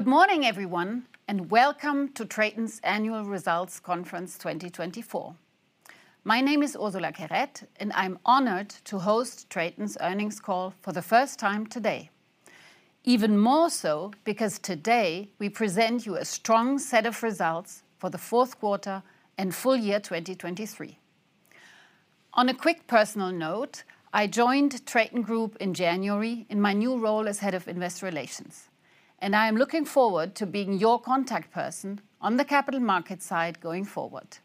Good morning, everyone, and welcome to TRATON's Annual Results Conference 2024. My name is Ursula Querette, and I'm honored to host TRATON's earnings call for the first time today. Even more so, because today we present you a strong set of results for the fourth quarter and full year 2023. On a quick personal note, I joined TRATON Group in January in my new role as head of Investor Relations, and I am looking forward to being your contact person on the capital market side going forward.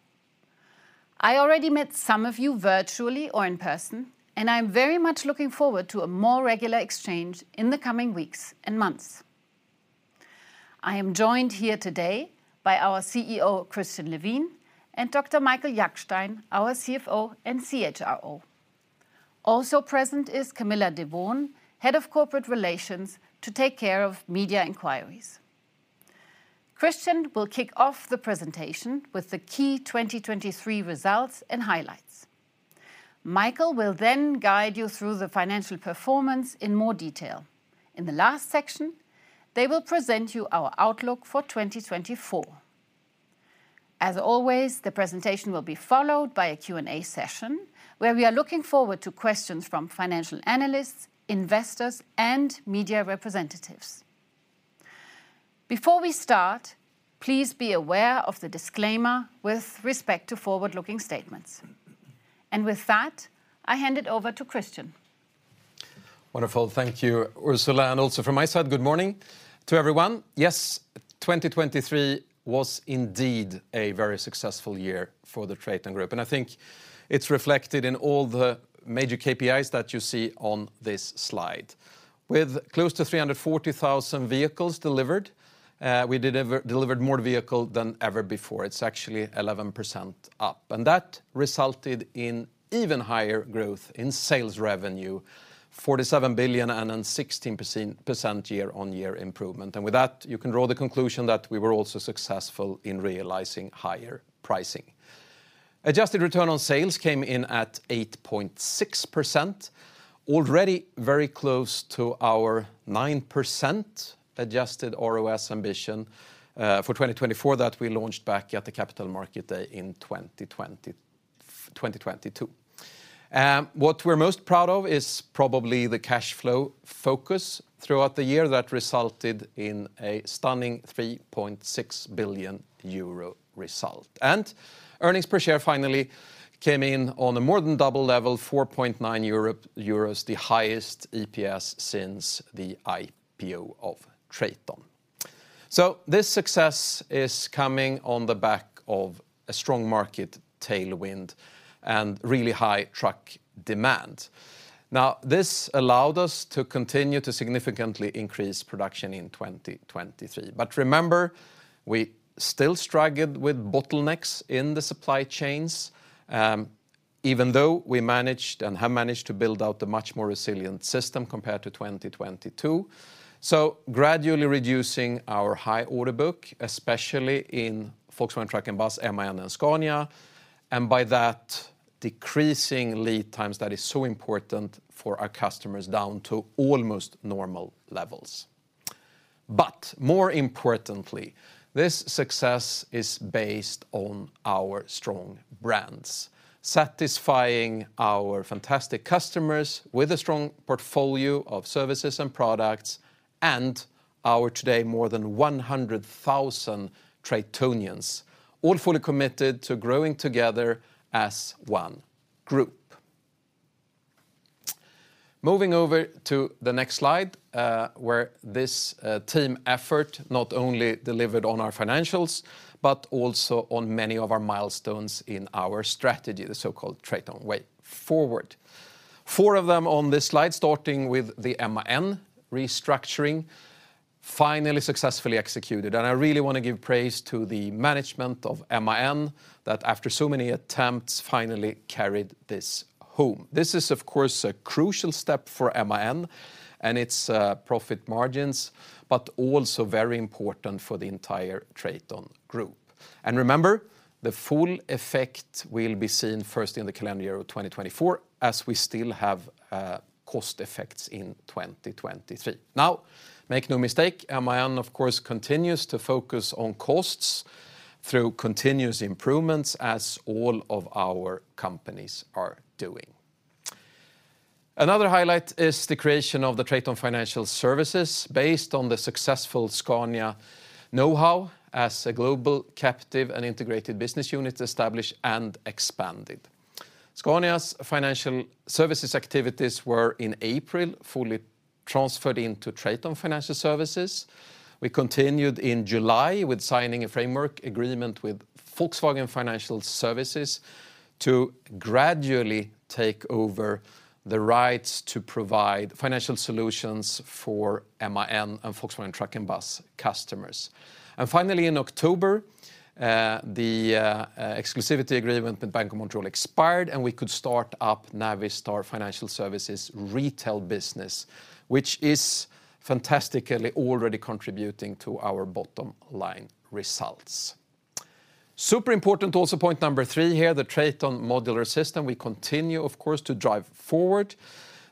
I already met some of you virtually or in person, and I'm very much looking forward to a more regular exchange in the coming weeks and months. I am joined here today by our CEO, Christian Levin, and Dr. Michael Jackstein, our CFO, and CHRO. Also present is Camilla Dewoon, head of Corporate Relations, to take care of media inquiries. Christian will kick off the presentation with the key 2023 results and highlights. Michael will then guide you through the financial performance in more detail. In the last section, they will present you our outlook for 2024. As always, the presentation will be followed by a Q&A session, where we are looking forward to questions from financial analysts, investors, and media representatives. Before we start, please be aware of the disclaimer with respect to forward-looking statements. With that, I hand it over to Christian. Wonderful. Thank you, Ursula, and also from my side, good morning to everyone. Yes, 2023 was indeed a very successful year for the TRATON Group, and I think it's reflected in all the major KPIs that you see on this slide. With close to 340,000 vehicles delivered, we delivered more vehicles than ever before. It's actually 11% up, and that resulted in even higher growth in sales revenue, 47 billion and then 16% year-on-year improvement. And with that, you can draw the conclusion that we were also successful in realizing higher pricing. Adjusted return on sales came in at 8.6%. Already very close to our 9% adjusted ROS ambition for 2024, that we launched back at the Capital Market Day in 2022. What we're most proud of is probably the cash flow focus throughout the year that resulted in a stunning 3.6 billion euro result. Earnings per share finally came in on a more than double level, 4.9 euros, the highest EPS since the IPO of TRATON. So this success is coming on the back of a strong market tailwind and really high truck demand. Now, this allowed us to continue to significantly increase production in 2023. But remember, we still struggled with bottlenecks in the supply chains, even though we managed and have managed to build out a much more resilient system compared to 2022. So gradually reducing our high order book, especially in Volkswagen Truck & Bus, MAN, and Scania, and by that, decreasing lead times that is so important for our customers down to almost normal levels. But more importantly, this success is based on our strong brands, satisfying our fantastic customers with a strong portfolio of services and products, and our today, more than 100,000 TRATONians, all fully committed to growing together as one group. Moving over to the next slide, where this, team effort not only delivered on our financials, but also on many of our milestones in our strategy, the so-called TRATON Way Forward. Four of them on this slide, starting with the MAN restructuring, finally successfully executed. I really want to give praise to the management of MAN, that after so many attempts, finally carried this home. This is, of course, a crucial step for MAN and its, profit margins, but also very important for the entire TRATON Group. And remember, the full effect will be seen first in the calendar year of 2024, as we still have cost effects in 2023. Now, make no mistake, MAN, of course, continues to focus on costs through continuous improvements, as all of our companies are doing. Another highlight is the creation of the TRATON Financial Services, based on the successful Scania know-how as a global, captive, and integrated business unit established and expanded. Scania's financial services activities were in April fully transferred into TRATON Financial Services. We continued in July with signing a framework agreement with Volkswagen Financial Services to gradually take over the rights to provide financial solutions for MAN and Volkswagen Truck & Bus customers. And finally, in October, the exclusivity agreement with Bank of Montreal expired, and we could start up Navistar Financial Services retail business, which is fantastically already contributing to our bottom line results. Super important also, point number three here, the TRATON Modular System, we continue, of course, to drive forward.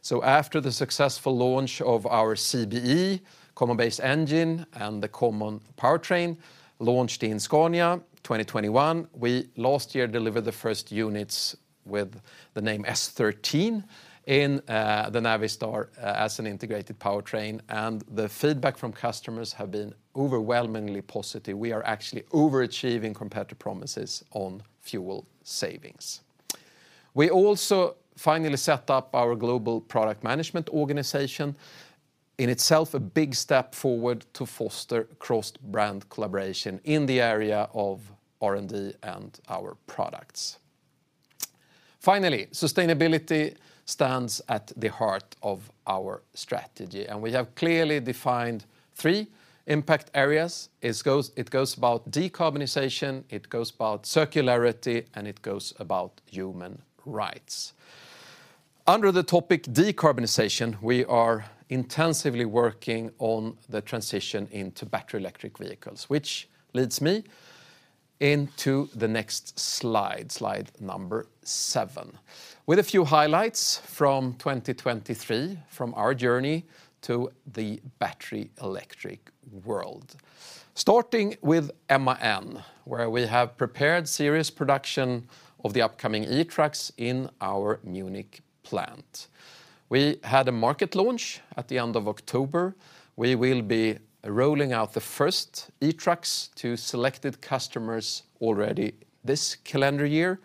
So after the successful launch of our CBE, Common Base Engine, and the common powertrain, launched in Scania 2021, we last year delivered the first units with the name S13 in the Navistar as an integrated powertrain, and the feedback from customers have been overwhelmingly positive. We are actually overachieving compared to promises on fuel savings. We also finally set up our global product management organization, in itself, a big step forward to foster cross-brand collaboration in the area of R&D and our products. Finally, sustainability stands at the heart of our strategy, and we have clearly defined three impact areas. It goes, it goes about decarbonization, it goes about circularity, and it goes about human rights. Under the topic decarbonization, we are intensively working on the transition into battery electric vehicles, which leads me into the next slide, slide number 7, with a few highlights from 2023, from our journey to the battery electric world. Starting with MAN, where we have prepared serious production of the upcoming eTrucks in our Munich plant. We had a market launch at the end of October. We will be rolling out the first eTrucks to selected customers already this calendar year.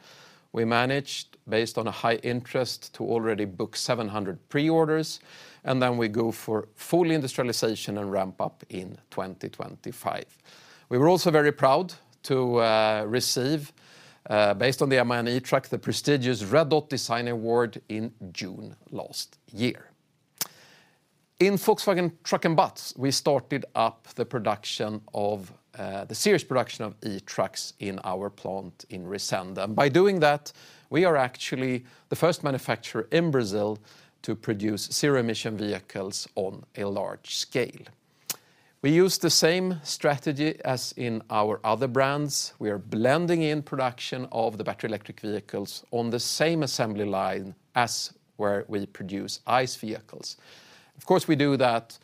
We managed, based on a high interest, to already book 700 pre-orders, and then we go for full industrialization and ramp up in 2025. We were also very proud to receive, based on the MAN eTruck, the prestigious Red Dot Design Award in June last year. In Volkswagen Truck & Bus, we started up the production of the series production of eTrucks in our plant in Resende. By doing that, we are actually the first manufacturer in Brazil to produce zero-emission vehicles on a large scale. We use the same strategy as in our other brands. We are blending in production of the battery electric vehicles on the same assembly line as where we produce ICE vehicles. Of course, we do that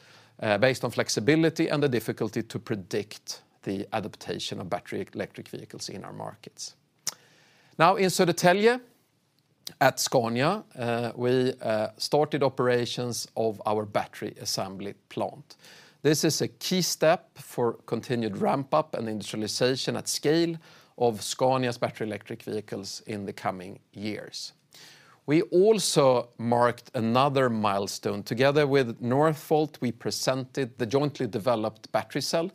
based on flexibility and the difficulty to predict the adaptation of battery electric vehicles in our markets. Now, in Södertälje, at Scania, we started operations of our battery assembly plant. This is a key step for continued ramp-up and industrialization at scale of Scania's battery electric vehicles in the coming years. We also marked another milestone. Together with Northvolt, we presented the jointly developed battery cell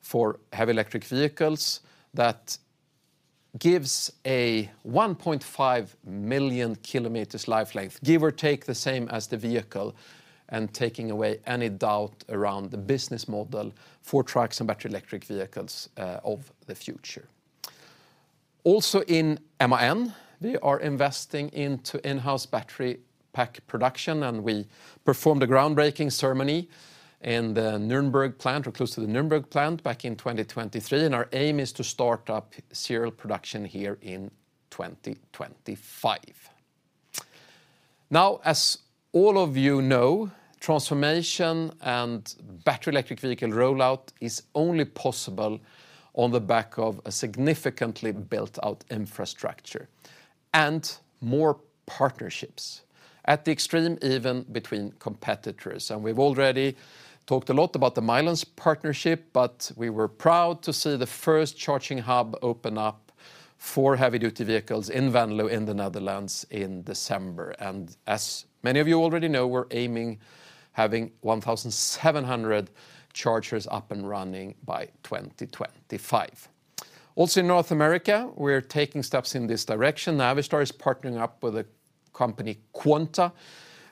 for heavy electric vehicles that gives a 1.5 million kilometers life length, give or take the same as the vehicle, and taking away any doubt around the business model for trucks and battery electric vehicles of the future. Also, in MAN, we are investing into in-house battery pack production, and we performed a groundbreaking ceremony in the Nuremberg plant, or close to the Nuremberg plant, back in 2023, and our aim is to start up serial production here in 2025. Now, as all of you know, transformation and battery electric vehicle rollout is only possible on the back of a significantly built-out infrastructure and more partnerships, at the extreme, even between competitors. And we've already talked a lot about the Milence partnership, but we were proud to see the first charging hub open up for heavy-duty vehicles in Venlo, in the Netherlands, in December. And as many of you already know, we're aiming having 1,700 chargers up and running by 2025. Also, in North America, we're taking steps in this direction. Navistar is partnering up with a company, Quanta,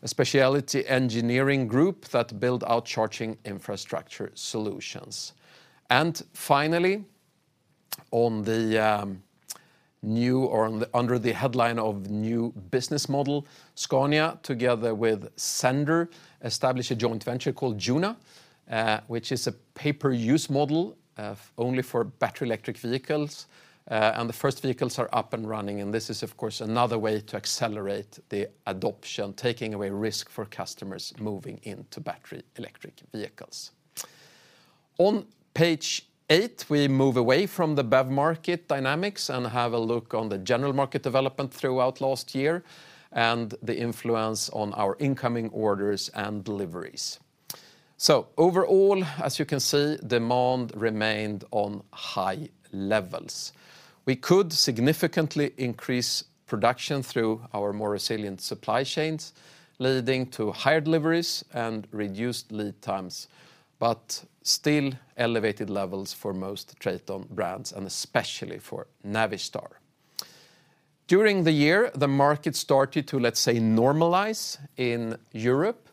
a specialty engineering group that build out charging infrastructure solutions. And finally, under the headline of new business model, Scania, together with sennder, established a joint venture called JUNA, which is a pay-per-use model, only for battery electric vehicles. And the first vehicles are up and running, and this is, of course, another way to accelerate the adoption, taking away risk for customers moving into battery electric vehicles. On page eight, we move away from the BEV market dynamics and have a look on the general market development throughout last year and the influence on our incoming orders and deliveries. So overall, as you can see, demand remained on high levels. We could significantly increase production through our more resilient supply chains, leading to higher deliveries and reduced lead times, but still elevated levels for most TRATON brands, and especially for Navistar. During the year, the market started to, let's say, normalize in Europe,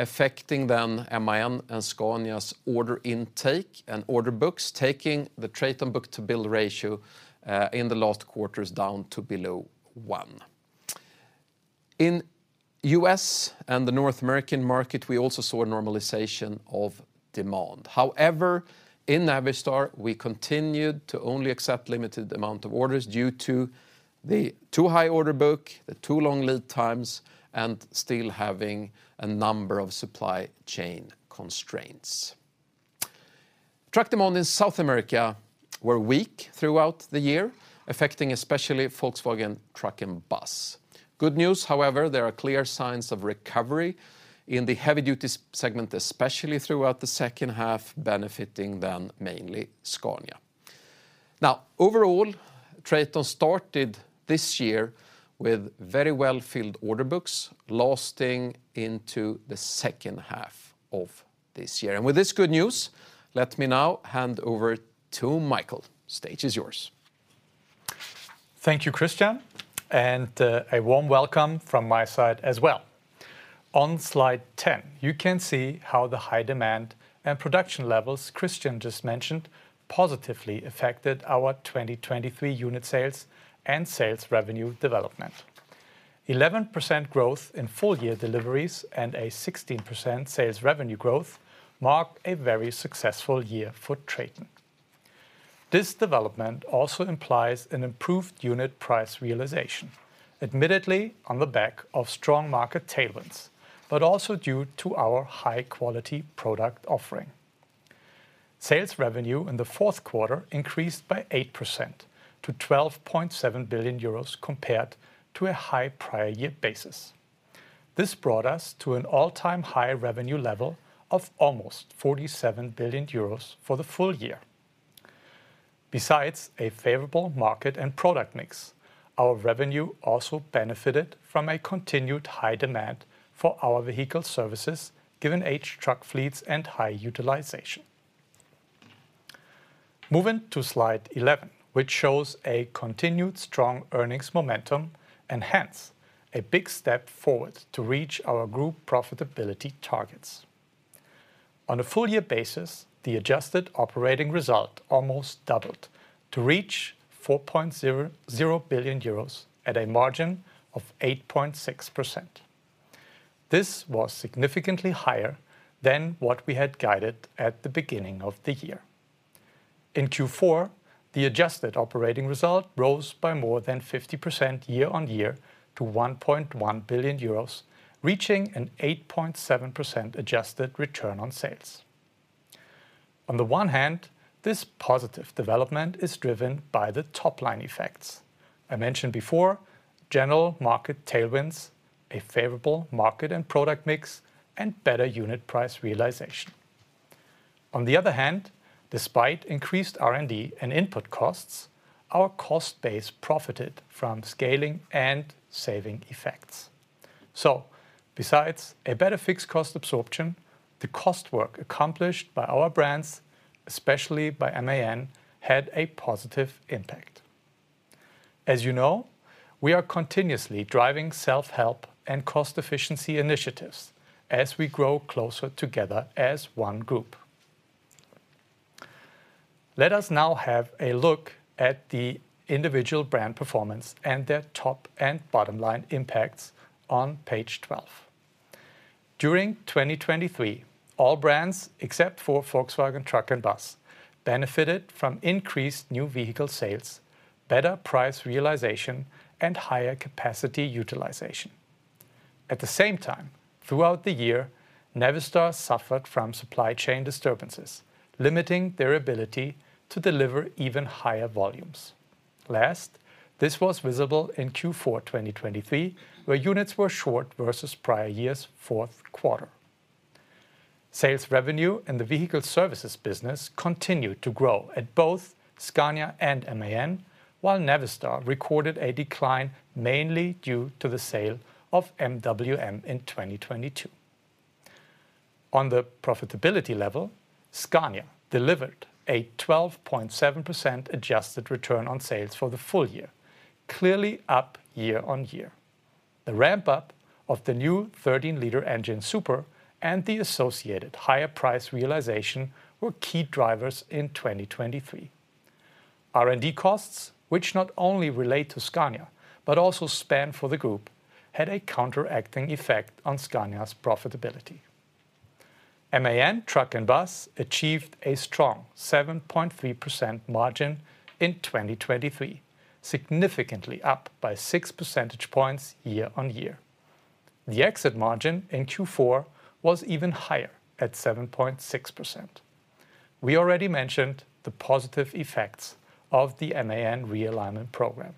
affecting then MAN and Scania's order intake and order books, taking the TRATON book-to-bill ratio in the last quarters down to below one. In U.S. and the North American market, we also saw a normalization of demand. However, in Navistar, we continued to only accept limited amount of orders due to the too high order book, the too long lead times, and still having a number of supply chain constraints. Truck demand in South America were weak throughout the year, affecting especially Volkswagen Truck & Bus. Good news, however, there are clear signs of recovery in the heavy-duty segment, especially throughout the second half, benefiting then mainly Scania. Now, overall, TRATON started this year with very well-filled order books, lasting into the second half of this year. And with this good news, let me now hand over to Michael. Stage is yours. Thank you, Christian, and, a warm welcome from my side as well. On slide 10, you can see how the high demand and production levels Christian just mentioned positively affected our 2023 unit sales and sales revenue development. 11% growth in full-year deliveries and a 16% sales revenue growth marked a very successful year for TRATON. This development also implies an improved unit price realization, admittedly on the back of strong market tailwinds, but also due to our high-quality product offering. Sales revenue in the fourth quarter increased by 8% to 12.7 billion euros, compared to a high prior year basis. This brought us to an all-time high revenue level of almost 47 billion euros for the full year. Besides a favorable market and product mix, our revenue also benefited from a continued high demand for our vehicle services, given aged truck fleets and high utilization. Moving to slide 11, which shows a continued strong earnings momentum, and hence, a big step forward to reach our group profitability targets. On a full year basis, the adjusted operating result almost doubled to reach 4.00 billion euros at a margin of 8.6%. This was significantly higher than what we had guided at the beginning of the year. In Q4, the adjusted operating result rose by more than 50% year-on-year to 1.1 billion euros, reaching an 8.7% adjusted return on sales. On the one hand, this positive development is driven by the top-line effects. I mentioned before, general market tailwinds, a favorable market and product mix, and better unit price realization. On the other hand, despite increased R&D and input costs, our cost base profited from scaling and saving effects. So besides a better fixed cost absorption, the cost work accomplished by our brands, especially by MAN, had a positive impact. As you know, we are continuously driving self-help and cost efficiency initiatives as we grow closer together as one group. Let us now have a look at the individual brand performance and their top and bottom line impacts on page 12. During 2023, all brands, except for Volkswagen Truck and Bus, benefited from increased new vehicle sales, better price realization, and higher capacity utilization. At the same time, throughout the year, Navistar suffered from supply chain disturbances, limiting their ability to deliver even higher volumes. Last, this was visible in Q4 2023, where units were short versus prior year's fourth quarter. Sales revenue and the vehicle services business continued to grow at both Scania and MAN, while Navistar recorded a decline, mainly due to the sale of MWM in 2022. On the profitability level, Scania delivered a 12.7% adjusted return on sales for the full year, clearly up year-on-year. The ramp-up of the new S13 and the associated higher price realization were key drivers in 2023. R&D costs, which not only relate to Scania but also span for the group, had a counteracting effect on Scania's profitability. MAN Truck & Bus achieved a strong 7.3% margin in 2023, significantly up by six percentage points year-on-year. The exit margin in Q4 was even higher, at 7.6%. We already mentioned the positive effects of the MAN realignment program.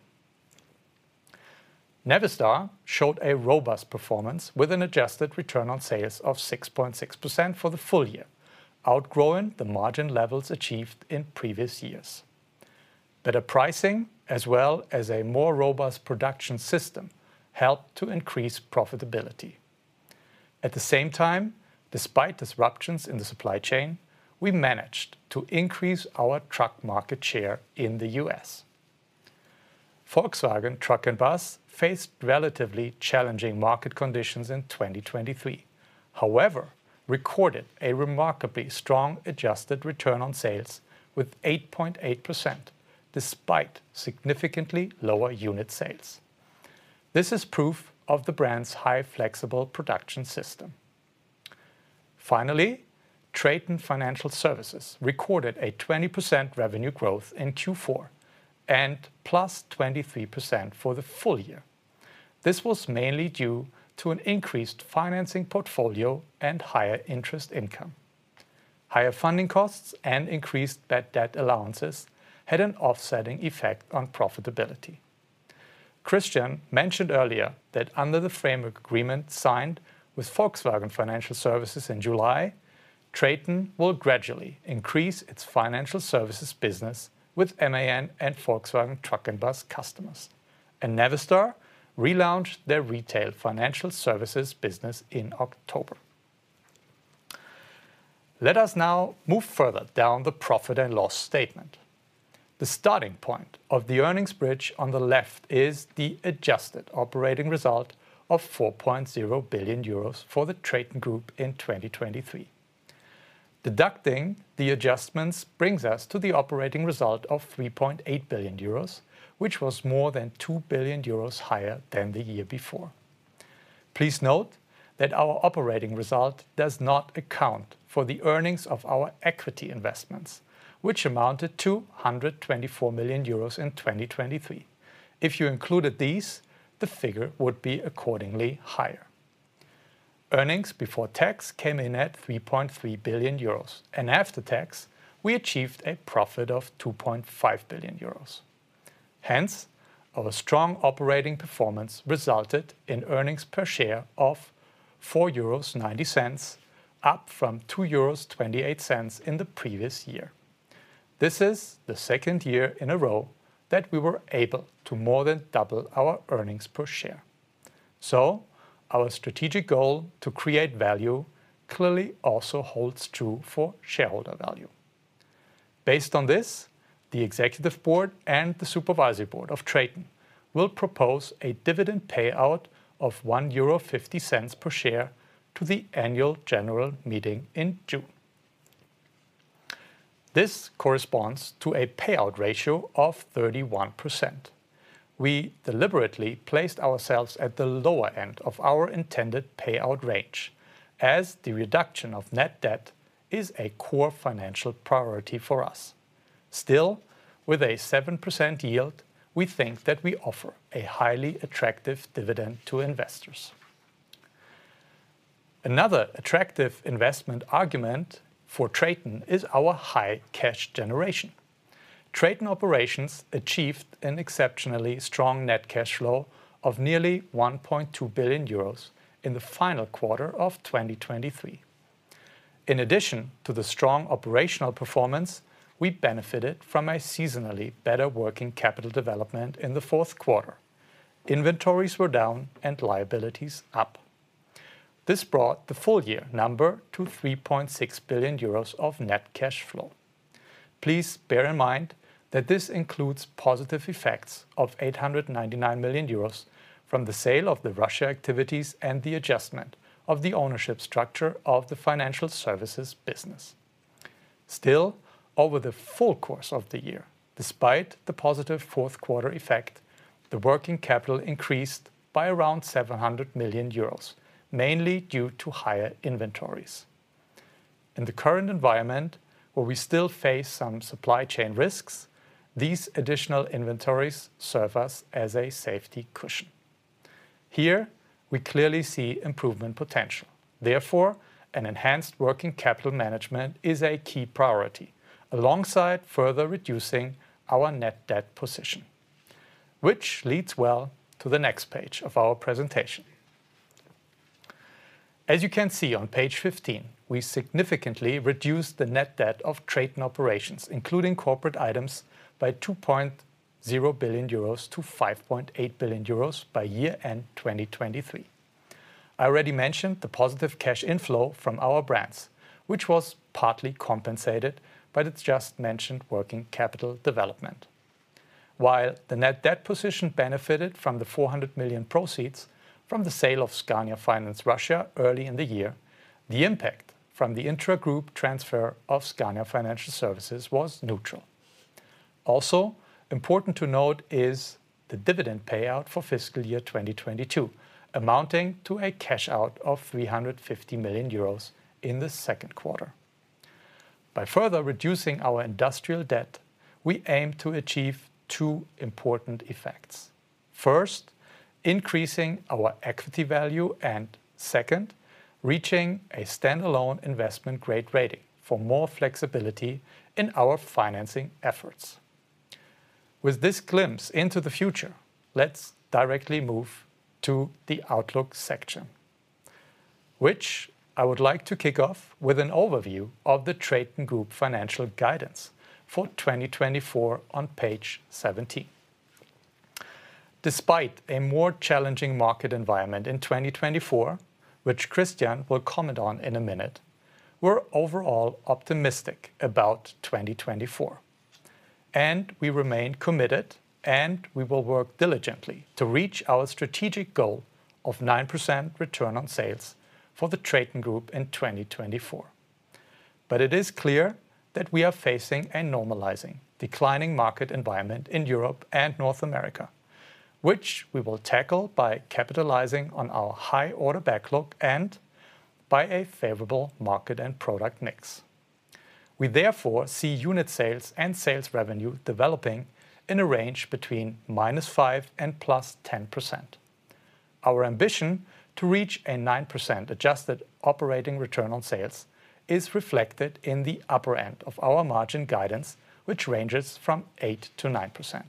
Navistar showed a robust performance with an adjusted return on sales of 6.6% for the full year, outgrowing the margin levels achieved in previous years. Better pricing, as well as a more robust production system, helped to increase profitability. At the same time, despite disruptions in the supply chain, we managed to increase our truck market share in the U.S. Volkswagen Truck & Bus faced relatively challenging market conditions in 2023. However, recorded a remarkably strong adjusted return on sales with 8.8%, despite significantly lower unit sales. This is proof of the brand's high, flexible production system. Finally, TRATON Financial Services recorded a 20% revenue growth in Q4 and +23% for the full year. This was mainly due to an increased financing portfolio and higher interest income. Higher funding costs and increased bad debt allowances had an offsetting effect on profitability. Christian mentioned earlier that under the framework agreement signed with Volkswagen Financial Services in July, TRATON will gradually increase its financial services business with MAN and Volkswagen Truck & Bus customers. Navistar relaunched their retail financial services business in October. Let us now move further down the profit and loss statement. The starting point of the earnings bridge on the left is the adjusted operating result of 4.0 billion euros for the TRATON Group in 2023. Deducting the adjustments brings us to the operating result of 3.8 billion euros, which was more than 2 billion euros higher than the year before. Please note that our operating result does not account for the earnings of our equity investments, which amounted to 124 million euros in 2023. If you included these, the figure would be accordingly higher. Earnings before tax came in at 3.3 billion euros, and after tax, we achieved a profit of 2.5 billion euros. Hence, our strong operating performance resulted in earnings per share of 4.90 euros, up from 2.28 euros in the previous year. This is the second year in a row that we were able to more than double our earnings per share. So our strategic goal to create value clearly also holds true for shareholder value. Based on this, the Executive Board and the Supervisory Board of TRATON will propose a dividend payout of 1.50 euro per share to the Annual General Meeting in June. This corresponds to a payout ratio of 31%. We deliberately placed ourselves at the lower end of our intended payout range, as the reduction of net debt is a core financial priority for us. Still, with a 7% yield, we think that we offer a highly attractive dividend to investors. Another attractive investment argument for TRATON is our high cash generation. TRATON Operations achieved an exceptionally strong net cash flow of nearly 1.2 billion euros in the final quarter of 2023. In addition to the strong operational performance, we benefited from a seasonally better working capital development in the fourth quarter. Inventories were down and liabilities up. This brought the full-year number to 3.6 billion euros of net cash flow. Please bear in mind that this includes positive effects of 899 million euros from the sale of the Russia activities and the adjustment of the ownership structure of the financial services business. Still, over the full course of the year, despite the positive fourth quarter effect, the working capital increased by around 700 million euros, mainly due to higher inventories. In the current environment, where we still face some supply chain risks, these additional inventories serve us as a safety cushion. Here, we clearly see improvement potential. Therefore, an enhanced working capital management is a key priority, alongside further reducing our net debt position, which leads well to the next page of our presentation. As you can see on page 15, we significantly reduced the net debt of TRATON Operations, including corporate items, by 2.0 billion euros to 5.8 billion euros by year-end 2023. I already mentioned the positive cash inflow from our brands, which was partly compensated by the just mentioned working capital development. While the net debt position benefited from the 400 million proceeds from the sale of Scania Finance Russia early in the year, the impact from the intragroup transfer of Scania Financial Services was neutral. Also, important to note is the dividend payout for fiscal year 2022, amounting to a cash out of 350 million euros in the second quarter. By further reducing our industrial debt, we aim to achieve two important effects. First, increasing our equity value, and second, reaching a standalone investment-grade rating for more flexibility in our financing efforts. With this glimpse into the future, let's directly move to the outlook section, which I would like to kick off with an overview of the TRATON Group financial guidance for 2024 on page 17. Despite a more challenging market environment in 2024, which Christian will comment on in a minute, we're overall optimistic about 2024... and we remain committed, and we will work diligently to reach our strategic goal of 9% return on sales for the TRATON Group in 2024. But it is clear that we are facing a normalizing, declining market environment in Europe and North America, which we will tackle by capitalizing on our high order backlog and by a favorable market and product mix. We therefore see unit sales and sales revenue developing in a range between -5% and +10%. Our ambition to reach a 9% adjusted operating return on sales is reflected in the upper end of our margin guidance, which ranges from 8%-9%.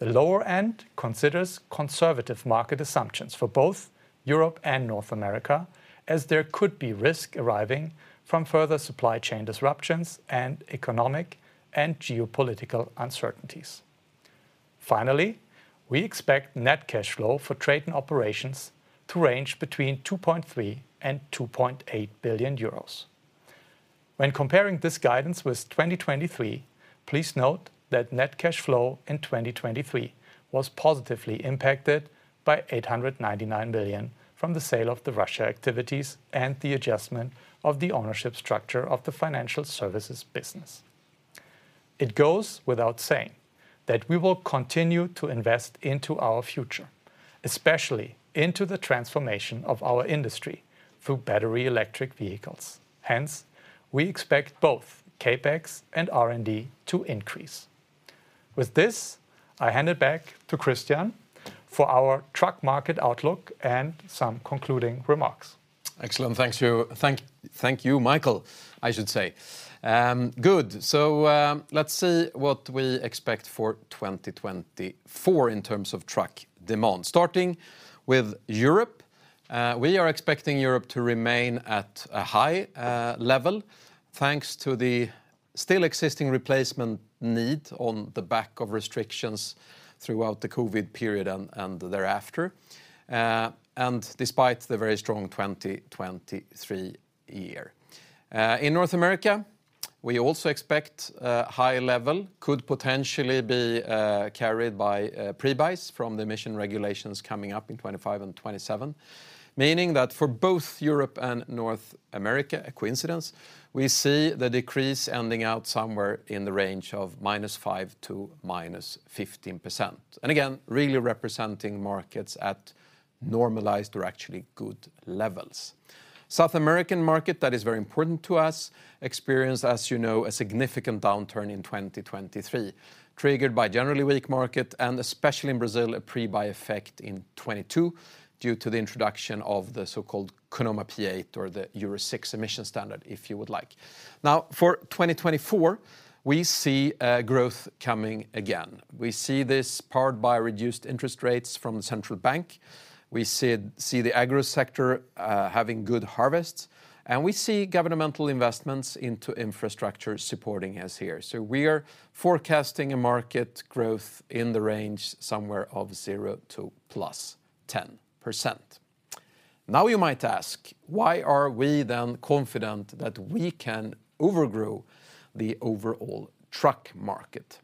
The lower end considers conservative market assumptions for both Europe and North America, as there could be risk arriving from further supply chain disruptions and economic and geopolitical uncertainties. Finally, we expect net cash flow for TRATON Operations to range between 2.3 billion and 2.8 billion euros. When comparing this guidance with 2023, please note that net cash flow in 2023 was positively impacted by 899 million from the sale of the Russia activities and the adjustment of the ownership structure of the financial services business. It goes without saying that we will continue to invest into our future, especially into the transformation of our industry through battery electric vehicles. Hence, we expect both CapEx and R&D to increase. With this, I hand it back to Christian for our truck market outlook and some concluding remarks. Excellent. Thank you. Thank you, Michael, I should say. Good. So, let's see what we expect for 2024 in terms of truck demand. Starting with Europe, we are expecting Europe to remain at a high level, thanks to the still existing replacement need on the back of restrictions throughout the COVID period and thereafter, and despite the very strong 2023 year. In North America, we also expect a high level, could potentially be carried by pre-buys from the emission regulations coming up in 2025 and 2027, meaning that for both Europe and North America, a coincidence, we see the decrease ending out somewhere in the range of -5% to -15%. Again, really representing markets at normalized or actually good levels. South American market, that is very important to us, experienced, as you know, a significant downturn in 2023, triggered by generally weak market, and especially in Brazil, a pre-buy effect in 2022, due to the introduction of the so-called CONAMA P8 or the Euro 6 emission standard, if you would like. Now, for 2024, we see a growth coming again. We see this powered by reduced interest rates from the central bank. We see the agro sector having good harvests, and we see governmental investments into infrastructure supporting us here. So we are forecasting a market growth in the range somewhere of 0% to +10%. Now, you might ask, why are we then confident that we can overgrow the overall truck market?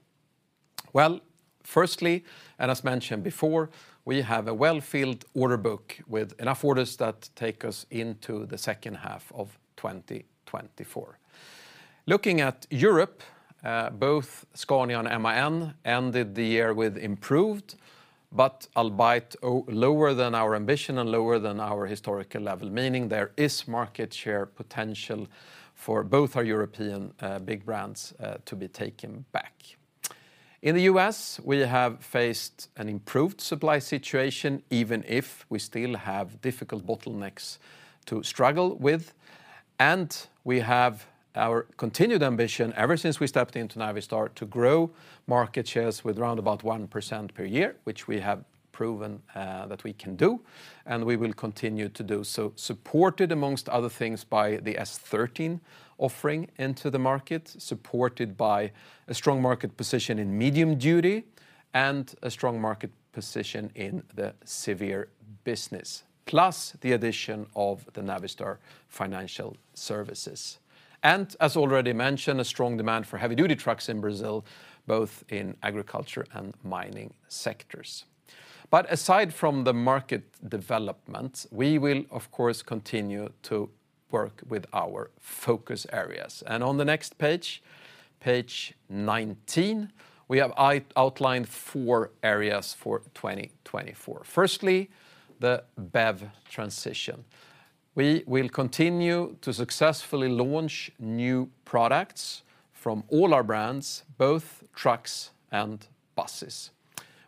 Well, firstly, and as mentioned before, we have a well-filled order book with enough orders that take us into the second half of 2024. Looking at Europe, both Scania and MAN ended the year with improved, but albeit lower than our ambition and lower than our historical level, meaning there is market share potential for both our European big brands to be taken back. In the US, we have faced an improved supply situation, even if we still have difficult bottlenecks to struggle with, and we have our continued ambition, ever since we stepped into Navistar, to grow market shares with round about 1% per year, which we have proven that we can do, and we will continue to do so. Supported, amongst other things, by the S13 offering into the market, supported by a strong market position in medium duty, and a strong market position in the severe business, plus the addition of the Navistar Financial Services. As already mentioned, a strong demand for heavy-duty trucks in Brazil, both in agriculture and mining sectors. But aside from the market development, we will of course continue to work with our focus areas. On the next page, page 19, we have outlined four areas for 2024. Firstly, the BEV transition. We will continue to successfully launch new products from all our brands, both trucks and buses.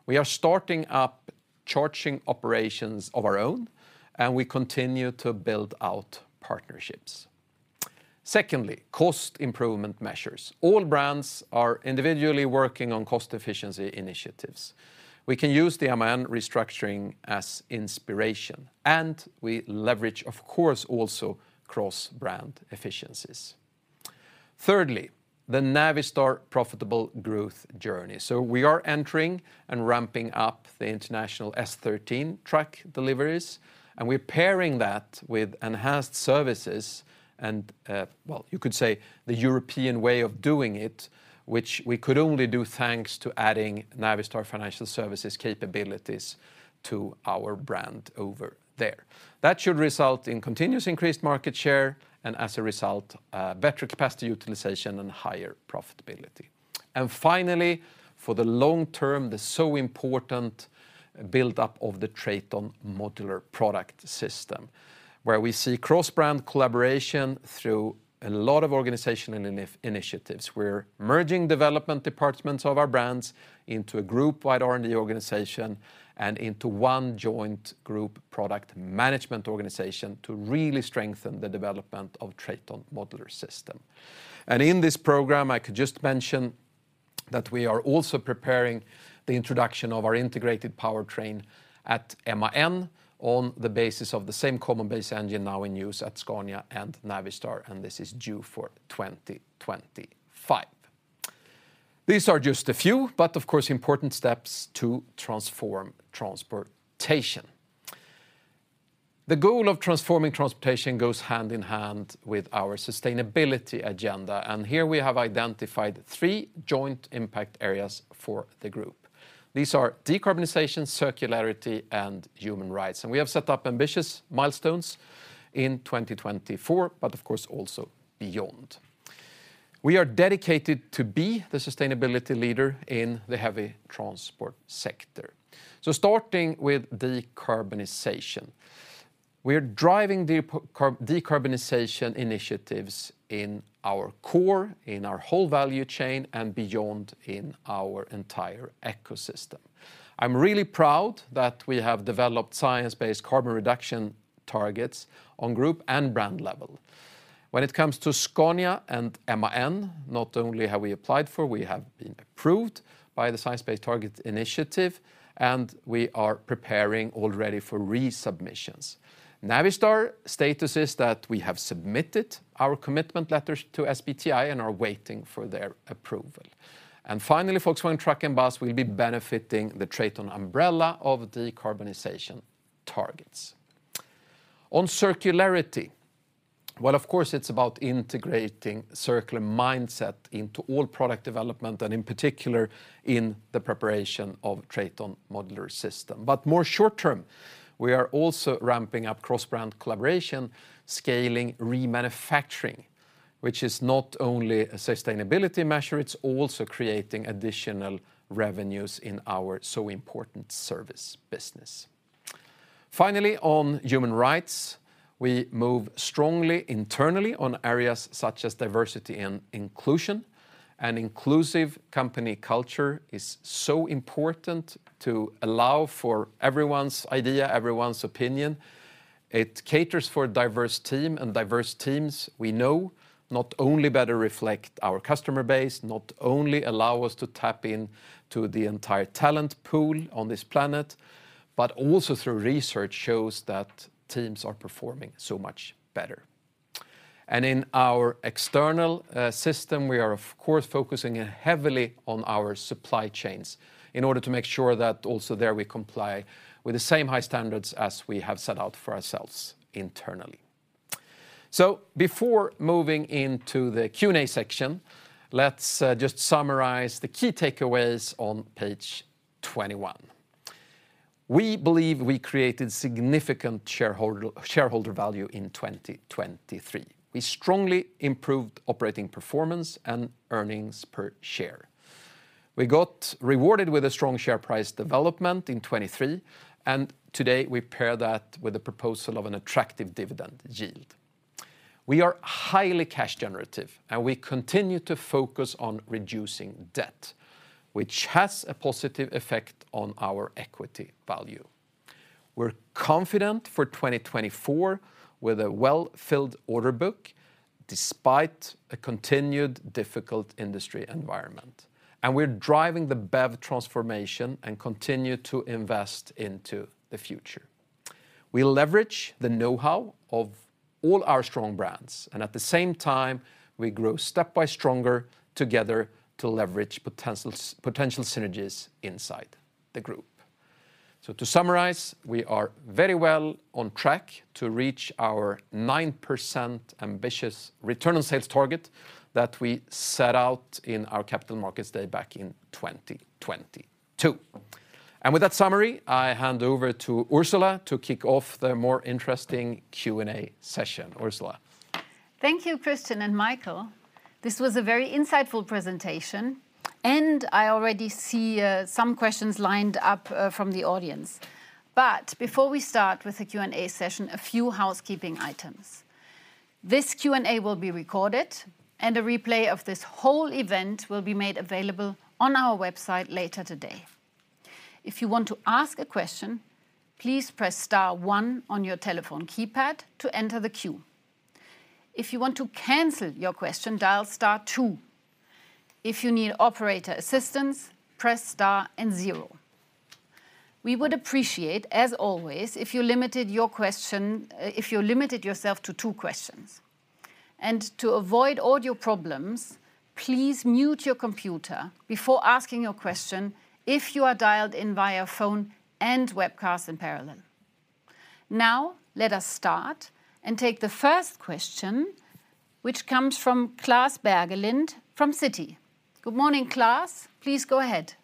We are starting up charging operations of our own, and we continue to build out partnerships. Secondly, cost improvement measures. All brands are individually working on cost efficiency initiatives. We can use the MAN restructuring as inspiration, and we leverage, of course, also cross-brand efficiencies. Thirdly, the Navistar profitable growth journey. So we are entering and ramping up the International S13 truck deliveries, and we're pairing that with enhanced services and, well, you could say the European way of doing it, which we could only do thanks to adding Navistar Financial Services capabilities to our brand over there. That should result in continuous increased market share, and as a result, better capacity utilization and higher profitability. And finally, for the long term, the so important buildup of the TRATON modular product system, where we see cross-brand collaboration through a lot of organization and initiatives. We're merging development departments of our brands into a group-wide R&D organization and into one joint group product management organization to really strengthen the development of TRATON modular system. And in this program, I could just mention that we are also preparing the introduction of our integrated powertrain at MAN on the basis of the same common-base engine now in use at Scania and Navistar, and this is due for 2025. These are just a few, but of course, important steps to transform transportation. The goal of transforming transportation goes hand in hand with our sustainability agenda, and here we have identified three joint impact areas for the group. These are decarbonization, circularity, and human rights, and we have set up ambitious milestones in 2024, but of course, also beyond. We are dedicated to be the sustainability leader in the heavy transport sector. So starting with decarbonization. We're driving decarbonization initiatives in our core, in our whole value chain, and beyond in our entire ecosystem. I'm really proud that we have developed science-based carbon reduction targets on group and brand level. When it comes to Scania and MAN, not only have we applied for, we have been approved by the Science Based Targets initiative, and we are preparing already for resubmissions. Navistar status is that we have submitted our commitment letters to SBTI and are waiting for their approval. Finally, Volkswagen Truck & Bus will be benefiting the TRATON umbrella of decarbonization targets. On circularity, well, of course, it's about integrating circular mindset into all product development, and in particular, in the preparation of TRATON modular system. But more short term, we are also ramping up cross-brand collaboration, scaling, remanufacturing, which is not only a sustainability measure, it's also creating additional revenues in our so important service business. Finally, on human rights, we move strongly internally on areas such as diversity and inclusion. An inclusive company culture is so important to allow for everyone's idea, everyone's opinion. It caters for a diverse team, and diverse teams, we know, not only better reflect our customer base, not only allow us to tap in to the entire talent pool on this planet, but also through research shows that teams are performing so much better. In our external system, we are, of course, focusing heavily on our supply chains in order to make sure that also there we comply with the same high standards as we have set out for ourselves internally. Before moving into the Q&A section, let's just summarize the key takeaways on page 21. We believe we created significant shareholder, shareholder value in 2023. We strongly improved operating performance and earnings per share. We got rewarded with a strong share price development in 2023, and today we pair that with a proposal of an attractive dividend yield. We are highly cash generative, and we continue to focus on reducing debt, which has a positive effect on our equity value. We're confident for 2024, with a well-filled order book, despite a continued difficult industry environment, and we're driving the BEV transformation and continue to invest into the future. We leverage the know-how of all our strong brands, and at the same time, we grow step by stronger together to leverage potential synergies inside the group. So to summarize, we are very well on track to reach our 9% ambitious return on sales target that we set out in our capital markets day back in 2022. And with that summary, I hand over to Ursula to kick off the more interesting Q&A session. Ursula? Thank you, Christian and Michael. This was a very insightful presentation, and I already see, some questions lined up, from the audience. But before we start with the Q&A session, a few housekeeping items. This Q&A will be recorded, and a replay of this whole event will be made available on our website later today. If you want to ask a question, please press star 1 on your telephone keypad to enter the queue. If you want to cancel your question, dial star 2. If you need operator assistance, press star and zero. We would appreciate, as always, if you limited your question, if you limited yourself to two questions. And to avoid audio problems, please mute your computer before asking your question if you are dialed in via phone and webcast in parallel. Now, let us start and take the first question, which comes from Klas Bergelind from Citi. Good morning, Klas. Please go ahead.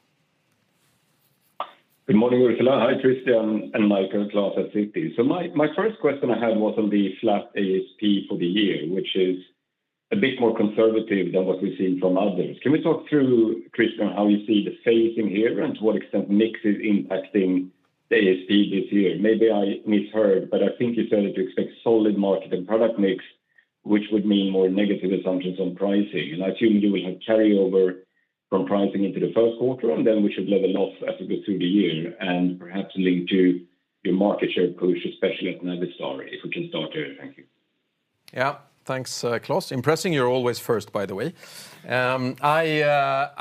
Good morning, Ursula. Hi, Christian and Michael. Klas at Citi. So my first question I had was on the flat ASP for the year, which is a bit more conservative than what we've seen from others. Can we talk through, Christian, how you see the phase in here, and to what extent mix is impacting ASP this year? Maybe I misheard, but I think you said to expect solid market and product mix, which would mean more negative assumptions on pricing. And I assume you will have carryover from pricing into the first quarter, and then we should level off as we go through the year, and perhaps lead to your market share push, especially at Navistar. If we can start there. Thank you. Yeah. Thanks, Klas. Impressive you're always first, by the way.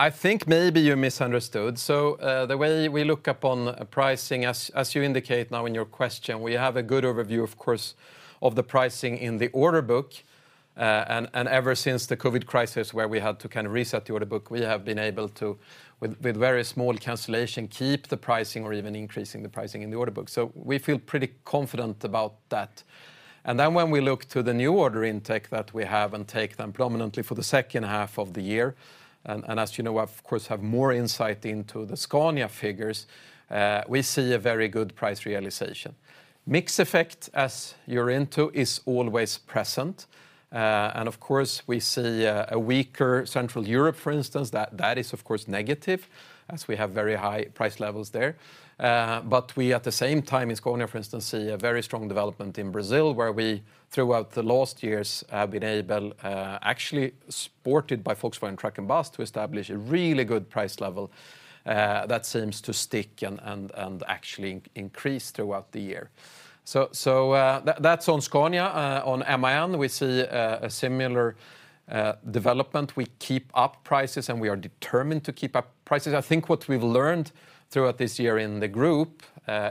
I think maybe you misunderstood. So, the way we look upon pricing, as you indicate now in your question, we have a good overview, of course, of the pricing in the order book. And ever since the COVID crisis, where we had to kind of reset the order book, we have been able to, with very small cancellation, keep the pricing or even increasing the pricing in the order book. So we feel pretty confident about that. And then when we look to the new order intake that we have, and take them prominently for the second half of the year, and as you know, of course, have more insight into the Scania figures, we see a very good price realization. Mix effect, as you're into, is always present. And of course, we see a weaker Central Europe, for instance. That is, of course, negative, as we have very high price levels there. But we, at the same time, in Scania, for instance, see a very strong development in Brazil, where we, throughout the last years, have been able, actually, supported by Volkswagen Truck and Bus, to establish a really good price level, that seems to stick and actually increase throughout the year. That's on Scania. On MAN, we see a similar development. We keep up prices, and we are determined to keep up prices. I think what we've learned throughout this year in the group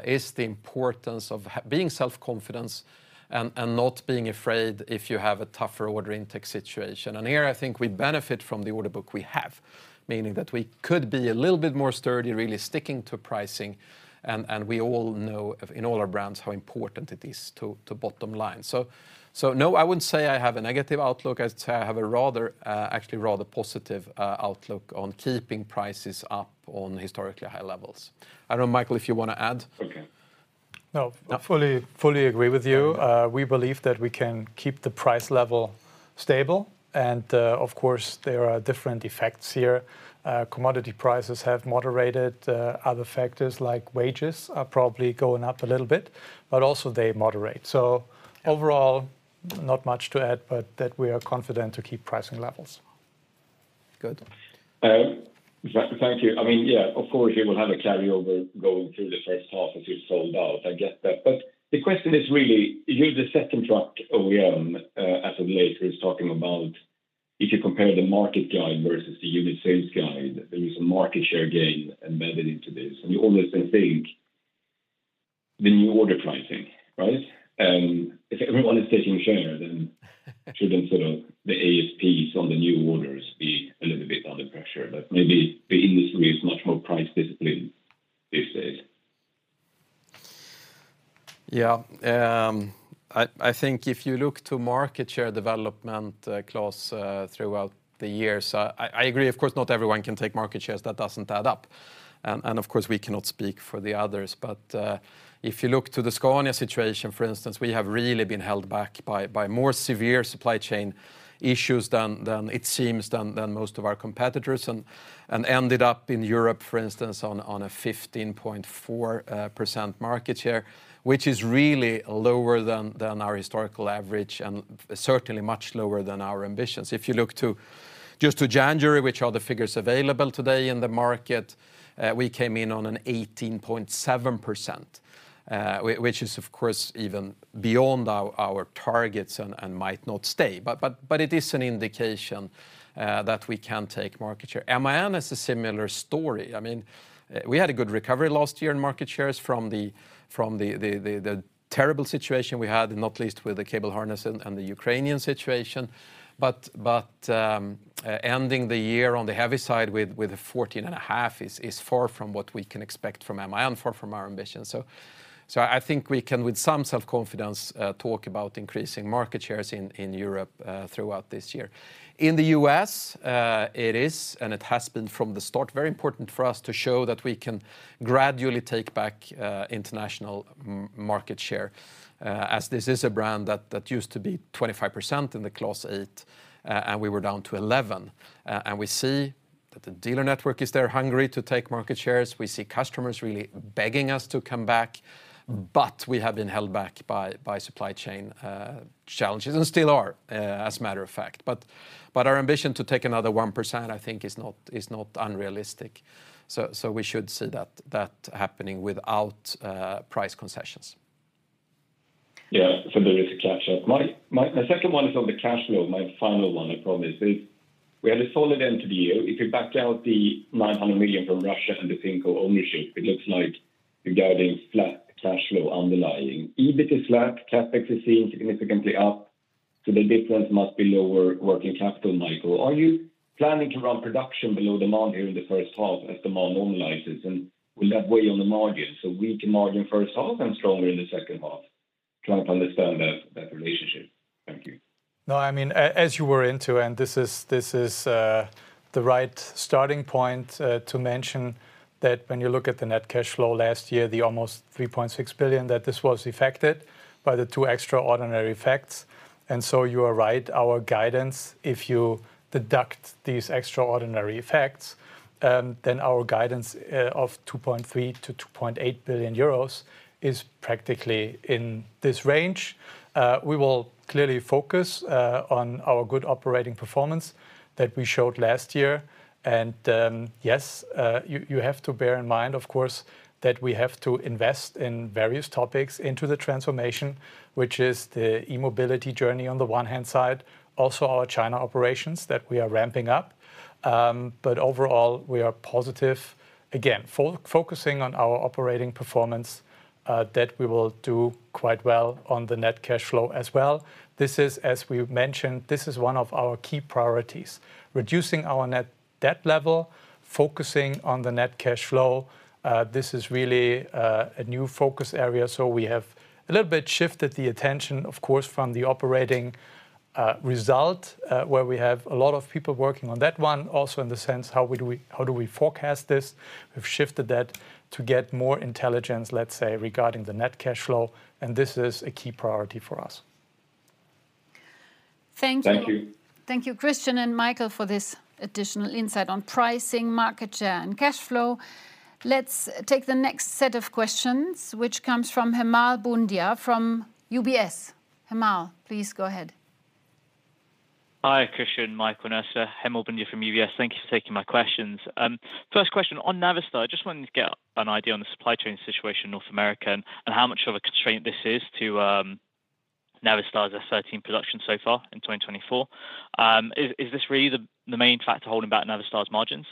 is the importance of having self-confidence and not being afraid if you have a tougher order intake situation. Here, I think we benefit from the order book we have, meaning that we could be a little bit more sturdy, really sticking to pricing, and we all know, in all our brands, how important it is to bottom line. So, no, I wouldn't say I have a negative outlook. I'd say I have a rather, actually, rather positive outlook on keeping prices up on historically high levels. I don't know, Michael, if you want to add? Okay. No. No. I fully, fully agree with you. We believe that we can keep the price level stable, and, of course, there are different effects here. Commodity prices have moderated. Other factors, like wages, are probably going up a little bit, but also they moderate. So- Yeah... overall, not much to add, but that we are confident to keep pricing levels. Good. Thank you. I mean, yeah, of course, you will have a carryover going through the first half as you sold out. I get that. But the question is, really, you're the second truck OEM as of late who is talking about if you compare the market guide versus the unit sales guide, there is a market share gain embedded into this, and you always then think the new order pricing, right? If everyone is taking share, then shouldn't sort of the ASPs on the new orders be a little bit under pressure? But maybe the industry is much more price-disciplined these days. Yeah. I, I think if you look to market share development, Klas, throughout the years, I, I agree, of course, not everyone can take market shares. That doesn't add up. And, and of course, we cannot speak for the others, but, if you look to the Scania situation, for instance, we have really been held back by, by more severe supply chain issues than, it seems, than, most of our competitors, and, and ended up in Europe, for instance, on, a 15.4% market share, which is really lower than, our historical average, and certainly much lower than our ambitions. If you look to, just to January, which are the figures available today in the market, we came in on an 18.7%, which is, of course, even beyond our, targets and, might not stay. But it is an indication that we can take market share. MAN is a similar story. I mean, we had a good recovery last year in market shares from the terrible situation we had, and not least, with the cable harness and the Ukrainian situation. But ending the year on the heavy side with a 14.5% is far from what we can expect from MAN, far from our ambitions. So I think we can, with some self-confidence, talk about increasing market shares in Europe throughout this year. In the US, it is, and it has been from the start, very important for us to show that we can gradually take back International market share, as this is a brand that used to be 25% in the Class 8, and we were down to 11. And we see that the dealer network is there, hungry to take market shares. We see customers really begging us to come back, but we have been held back by supply chain challenges, and still are, as a matter of fact. But our ambition to take another 1%, I think is not unrealistic. So we should see that happening without price concessions.... Yeah, so there is a catch up. My, my, my second one is on the cash flow. My final one, I promise, is we had a solid end to the year. If you backed out the 900 million from Russia and the Finko ownership, it looks like you're guiding flat cash flow underlying. EBIT is flat, CapEx is seeing significantly up, so the difference must be lower working capital, Michael. Are you planning to run production below demand here in the first half as demand normalizes? And will that weigh on the margin, so weak margin first half and stronger in the second half? Trying to understand that, that relationship. Thank you. No, I mean, as you were into, and this is the right starting point to mention that when you look at the net cash flow last year, the almost 3.6 billion, that this was affected by the two extraordinary effects. And so you are right, our guidance, if you deduct these extraordinary effects, then our guidance of 2.3-2.8 billion euros is practically in this range. We will clearly focus on our good operating performance that we showed last year. And yes, you have to bear in mind, of course, that we have to invest in various topics into the transformation, which is the e-mobility journey on the one-hand side, also our China operations that we are ramping up. But overall, we are positive. Again, focusing on our operating performance, that we will do quite well on the net cash flow as well. This is, as we've mentioned, this is one of our key priorities, reducing our net debt level, focusing on the net cash flow. This is really a new focus area, so we have a little bit shifted the attention, of course, from the operating result, where we have a lot of people working on that one. Also, in the sense, how do we forecast this? We've shifted that to get more intelligence, let's say, regarding the net cash flow, and this is a key priority for us. Thank you. Thank you. Thank you, Christian and Michael, for this additional insight on pricing, market share, and cash flow. Let's take the next set of questions, which comes from Hemal Bhundia, from UBS. Hemal, please go ahead. Hi, Christian, Michael, and Ursula. Hemal Bhundia from UBS. Thank you for taking my questions. First question on Navistar, I just wanted to get an idea on the supply chain situation in North America and how much of a constraint this is to Navistar's S13 production so far in 2024. Is this really the main factor holding back Navistar's margins?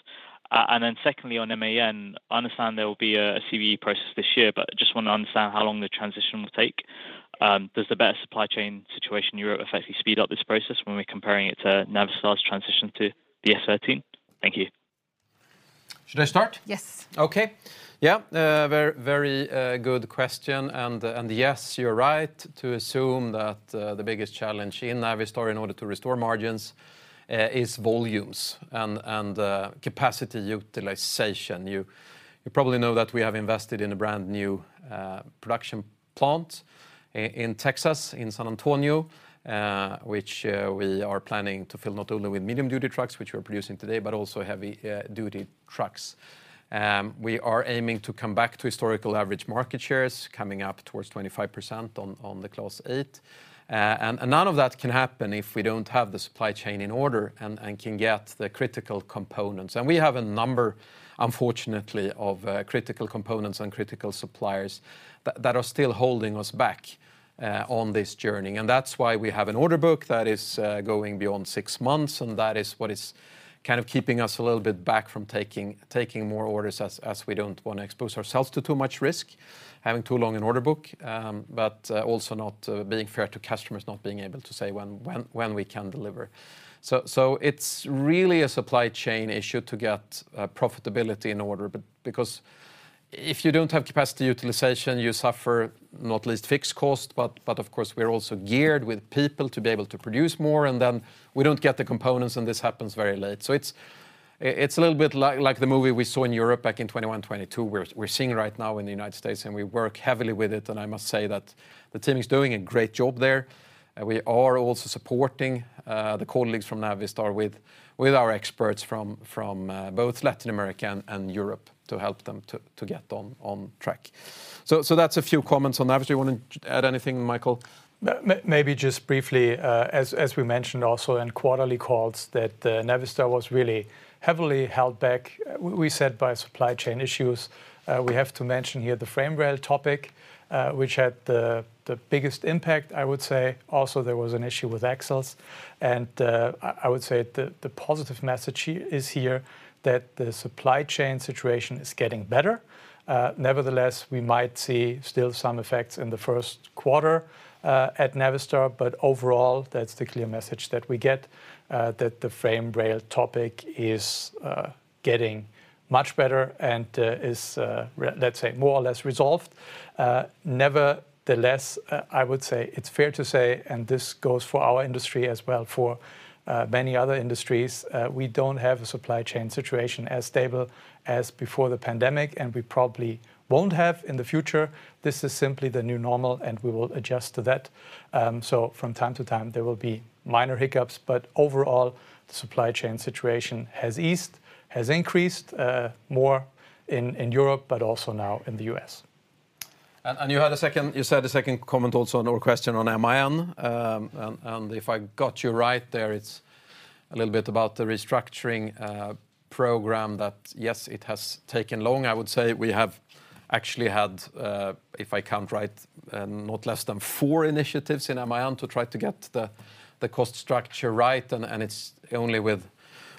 And then secondly, on MAN, I understand there will be a CBE process this year, but I just want to understand how long the transition will take. Does the better supply chain situation in Europe effectively speed up this process when we're comparing it to Navistar's transition to the S13? Thank you. Should I start? Yes. Okay. Yeah, very, very good question. And yes, you're right to assume that the biggest challenge in Navistar in order to restore margins is volumes and capacity utilization. You probably know that we have invested in a brand-new production plant in Texas, in San Antonio, which we are planning to fill not only with medium-duty trucks, which we're producing today, but also heavy duty trucks. We are aiming to come back to historical average market shares, coming up towards 25% on the Class 8. And none of that can happen if we don't have the supply chain in order and can get the critical components. We have a number, unfortunately, of critical components and critical suppliers that are still holding us back on this journey, and that's why we have an order book that is going beyond six months, and that is what is kind of keeping us a little bit back from taking more orders as we don't want to expose ourselves to too much risk, having too long an order book, but also not being fair to customers, not being able to say when we can deliver. So, so it's really a supply chain issue to get profitability in order, because if you don't have capacity utilization, you suffer not least fixed cost, but, but of course, we're also geared with people to be able to produce more, and then we don't get the components, and this happens very late. So it's, it's a little bit like the movie we saw in Europe back in 2021, 2022, we're, we're seeing right now in the United States, and we work heavily with it. And I must say that the team is doing a great job there. We are also supporting the colleagues from Navistar with, with our experts from, from, both Latin America and, and Europe, to help them to, to get on, on track. So, so that's a few comments on Navistar. You want to add anything, Michael? Maybe just briefly, as we mentioned also in quarterly calls, that Navistar was really heavily held back, we said, by supply chain issues. We have to mention here the frame rail topic, which had the biggest impact, I would say. Also, there was an issue with axles, and I would say the positive message is here, that the supply chain situation is getting better. Nevertheless, we might see still some effects in the first quarter at Navistar, but overall, that's the clear message that we get, that the frame rail topic is getting much better and is, let's say, more or less resolved. Nevertheless, I would say, it's fair to say, and this goes for our industry as well, for many other industries, we don't have a supply chain situation as stable as before the pandemic, and we probably won't have in the future. This is simply the new normal, and we will adjust to that. So from time to time there will be minor hiccups, but overall, the supply chain situation has eased, has increased, more in Europe, but also now in the US.... And you had a second—you said a second comment also on our question on MAN. And if I got you right there, it's a little bit about the restructuring program that, yes, it has taken long. I would say we have actually had, if I count right, not less than four initiatives in MAN to try to get the cost structure right. And it's only with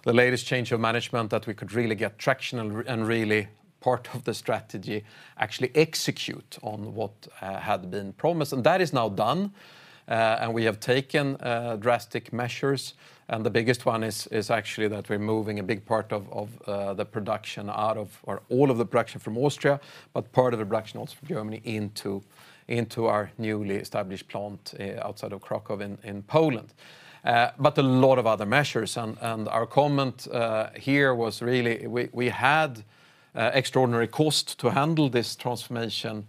the latest change of management that we could really get traction and really, part of the strategy, actually execute on what had been promised. And that is now done. And we have taken drastic measures, and the biggest one is actually that we're moving a big part of the production out of or all of the production from Austria, but part of the production also from Germany, into our newly established plant outside of Kraków in Poland. But a lot of other measures. And our comment here was really we had extraordinary cost to handle this transformation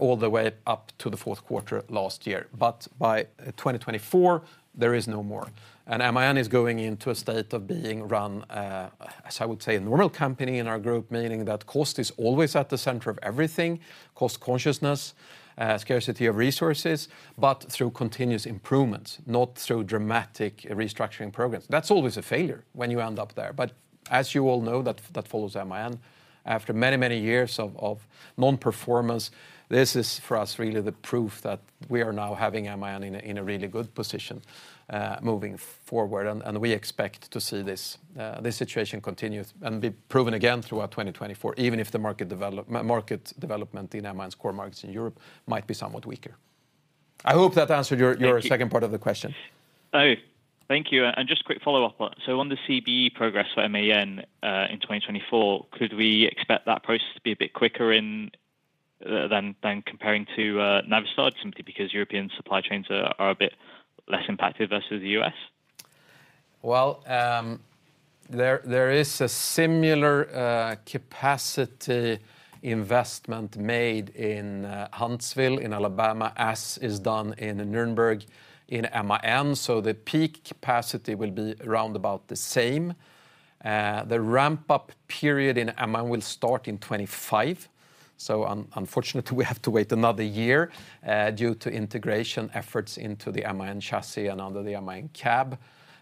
all the way up to the fourth quarter last year. But by 2024, there is no more. And MAN is going into a state of being run as I would say a normal company in our group, meaning that cost is always at the center of everything, cost consciousness, scarcity of resources, but through continuous improvements, not through dramatic restructuring programs. That's always a failure when you end up there. But as you all know, that follows MAN. After many, many years of non-performance, this is, for us, really the proof that we are now having MAN in a really good position moving forward. And we expect to see this situation continue, and be proven again throughout 2024, even if the market development in MAN's core markets in Europe might be somewhat weaker. I hope that answered your- Thank you... your second part of the question. So thank you, and just a quick follow-up on the CBE progress for MAN in 2024, could we expect that process to be a bit quicker than comparing to Navistar simply because European supply chains are a bit less impacted versus the U.S.? Well, there is a similar capacity investment made in Huntsville, in Alabama, as is done in Nuremberg, in MAN, so the peak capacity will be round about the same. The ramp-up period in MAN will start in 2025, so unfortunately, we have to wait another year due to integration efforts into the MAN chassis and under the MAN cab.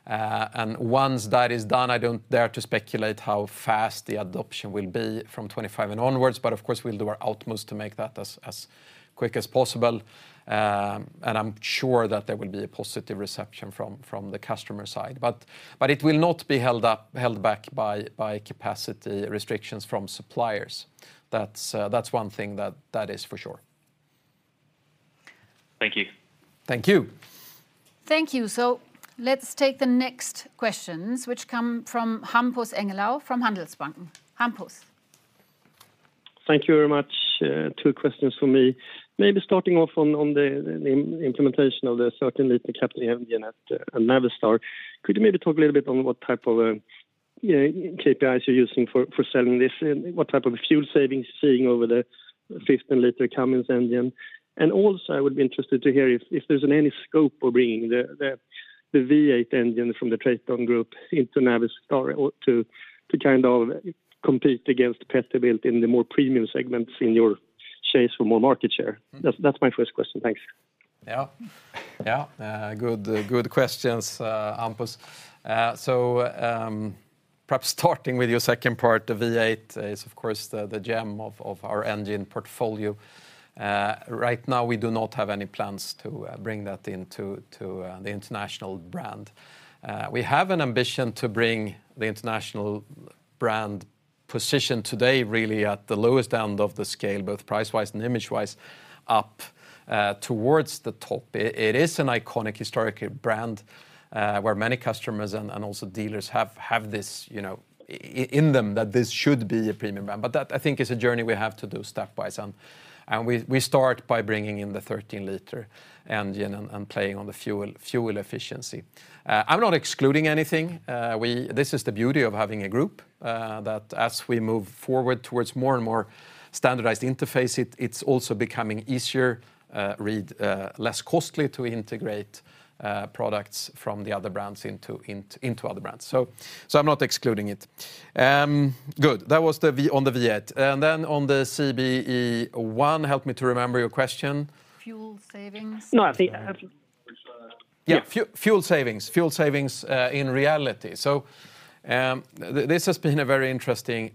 And once that is done, I don't dare to speculate how fast the adoption will be from 2025 and onwards, but, of course, we'll do our utmost to make that as quick as possible. I'm sure that there will be a positive reception from the customer side. But it will not be held back by capacity restrictions from suppliers. That's one thing that is for sure. Thank you. Thank you. Thank you. So let's take the next questions, which come from Hampus Engellau, from Handelsbanken. Hampus? Thank you very much. Two questions from me. Maybe starting off on the implementation of the 13-liter common engine at Navistar. Could you maybe talk a little bit on what type of KPIs you're using for selling this, and what type of fuel savings you're seeing over the 15-liter Cummins engine? And also, I would be interested to hear if there's any scope for bringing the V8 engine from the TRATON Group into Navistar or to kind of compete against Peterbilt in the more premium segments in your chase for more market share? That's my first question. Thanks. Yeah. Yeah, good, good questions, Hampus. So, perhaps starting with your second part, the V8 is, of course, the gem of our engine portfolio. Right now, we do not have any plans to bring that into the International brand. We have an ambition to bring the International brand position today, really at the lowest end of the scale, both price-wise and image-wise, up towards the top. It is an iconic, historical brand, where many customers and also dealers have this, you know, in them, that this should be a premium brand. But that, I think, is a journey we have to do step by step. We start by bringing in the 13-liter engine and playing on the fuel efficiency. I'm not excluding anything. This is the beauty of having a group that as we move forward towards more and more standardized interface, it's also becoming easier, readily less costly to integrate products from the other brands into other brands. So I'm not excluding it. Good. That was the V- on the V8. And then on the CBE, help me to remember your question. Fuel savings. No, the, Yeah, fuel savings. Fuel savings in reality. So, this has been a very interesting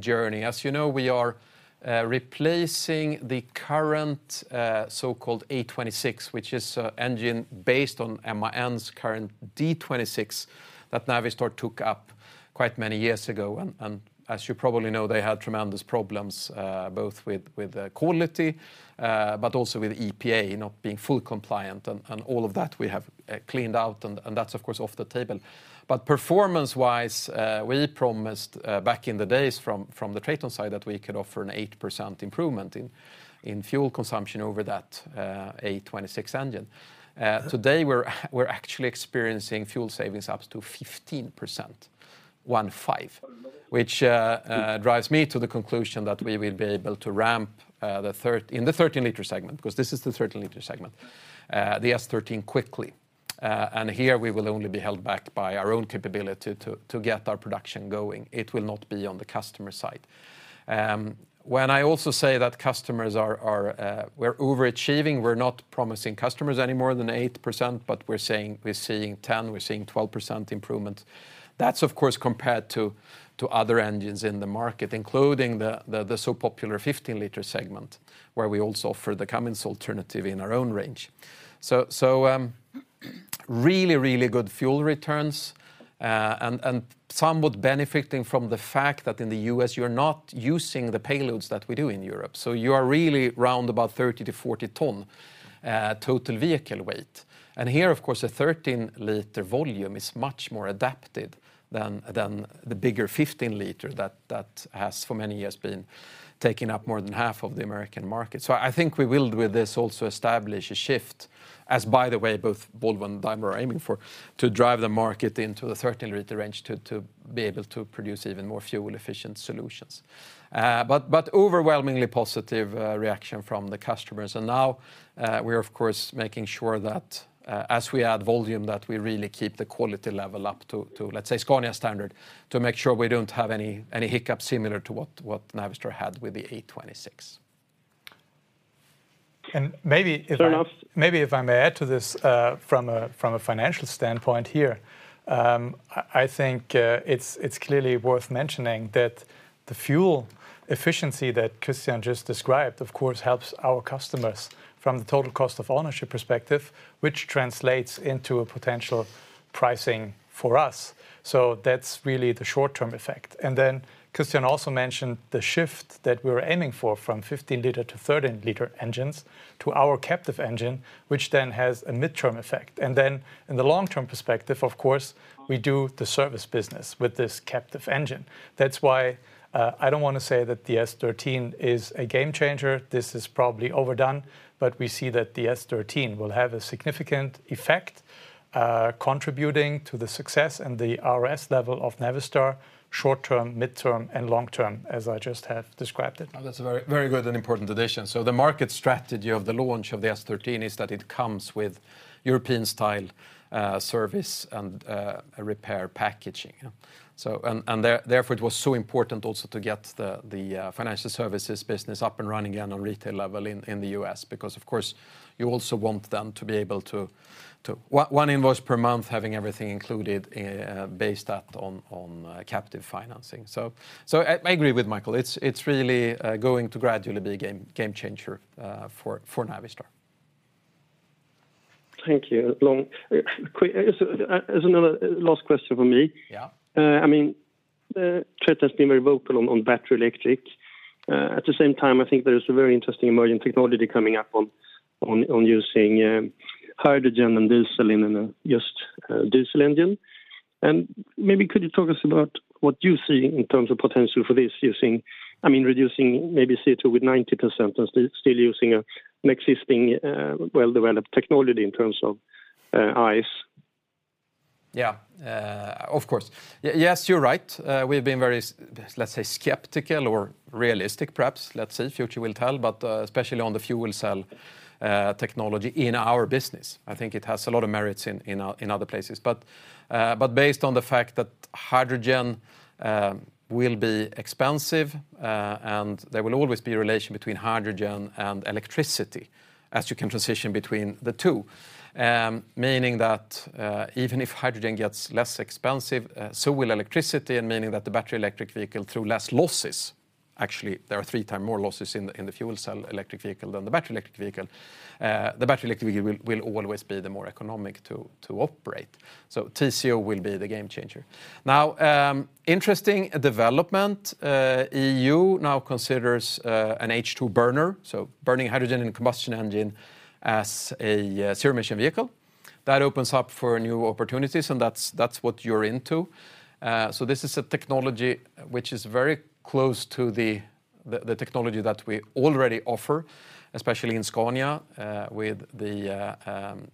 journey. As you know, we are replacing the current so-called A26, which is an engine based on MAN's current D26, that Navistar took up quite many years ago. And as you probably know, they had tremendous problems both with the quality but also with EPA not being fully compliant, and all of that we have cleaned out, and that's, of course, off the table. But performance-wise, we promised back in the days, from the TRATON side, that we could offer an 8% improvement in fuel consumption over that A26 engine. Today, we're actually experiencing fuel savings up to 15%, which drives me to the conclusion that we will be able to ramp in the 13-liter segment, because this is the 13-liter segment, the S13 quickly, and here, we will only be held back by our own capability to get our production going. It will not be on the customer side. When I also say that customers are, we're overachieving, we're not promising customers any more than 8%, but we're saying we're seeing 10%, we're seeing 12% improvement. That's, of course, compared to other engines in the market, including the so popular 15-liter segment, where we also offer the Cummins alternative in our own range. So, really, really good fuel returns, and somewhat benefiting from the fact that in the US, you're not using the payloads that we do in Europe. So you are really round about 30-40 ton total vehicle weight. And here, of course, a 13-liter volume is much more adapted than the bigger 15-liter that has, for many years, been taking up more than half of the American market. So I think we will, with this, also establish a shift, as by the way, both Volvo and Daimler are aiming for, to drive the market into the 13-liter range, to be able to produce even more fuel-efficient solutions. But overwhelmingly positive reaction from the customers. Now, we're, of course, making sure that as we add volume, that we really keep the quality level up to, let's say, Scania standard, to make sure we don't have any hiccups similar to what Navistar had with the A26. And maybe if I- Turn off. Maybe if I may add to this, from a financial standpoint here, I think, it's clearly worth mentioning that the fuel efficiency that Christian just described, of course, helps our customers from the total cost of ownership perspective, which translates into a potential pricing for us. So that's really the short-term effect. And then Christian also mentioned the shift that we're aiming for, from 15-liter to 13-liter engines, to our captive engine, which then has a midterm effect. And then, in the long-term perspective, of course, we do the service business with this captive engine. That's why, I don't want to say that the S13 is a game-changer. This is probably overdone, but we see that the S13 will have a significant effect, contributing to the success and the ROS level of Navistar, short-term, midterm, and long-term, as I just have described it. Oh, that's a very, very good and important addition. So the market strategy of the launch of the S13 is that it comes with European-style service and a repair packaging, yeah. So, and therefore, it was so important also to get the financial services business up and running again on retail level in the U.S., because, of course, you also want them to be able to one invoice per month, having everything included, based on captive financing. So, I agree with Michael. It's really going to gradually be a game-changer for Navistar. Thank you. So, as another, last question from me. Yeah. I mean, TRATON has been very vocal on battery electric. At the same time, I think there is a very interesting emerging technology coming up on using hydrogen and diesel in a just diesel engine. And maybe could you talk us about what you see in terms of potential for this using—I mean, reducing maybe CO2 with 90% and still using an existing, well-developed technology in terms of ICE? Yeah, of course. Yes, you're right. We've been very—let's say, skeptical or realistic, perhaps. Let's see, future will tell, but especially on the fuel cell technology in our business. I think it has a lot of merits in other places. But based on the fact that hydrogen will be expensive, and there will always be a relation between hydrogen and electricity, as you can transition between the two, meaning that even if hydrogen gets less expensive, so will electricity, and meaning that the battery electric vehicle, through less losses... Actually, there are three times more losses in the fuel cell electric vehicle than the battery electric vehicle. The battery electric vehicle will always be the more economic to operate, so TCO will be the game changer. Now, interesting development, EU now considers an H2 burner, so burning hydrogen in a combustion engine, as a zero-emission vehicle. That opens up for new opportunities, and that's what you're into. So this is a technology which is very close to the technology that we already offer, especially in Scania, with the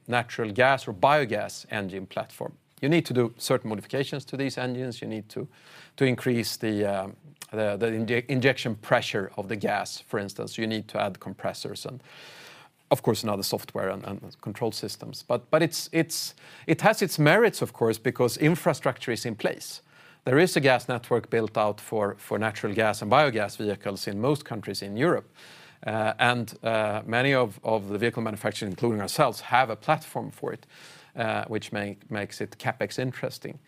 natural gas or biogas engine platform. You need to do certain modifications to these engines. You need to increase the injection pressure of the gas, for instance. You need to add compressors and, of course, now the software and control systems. But it has its merits, of course, because infrastructure is in place. There is a gas network built out for natural gas and biogas vehicles in most countries in Europe. Many of the vehicle manufacturers, including ourselves, have a platform for it, which makes it CapEx interesting.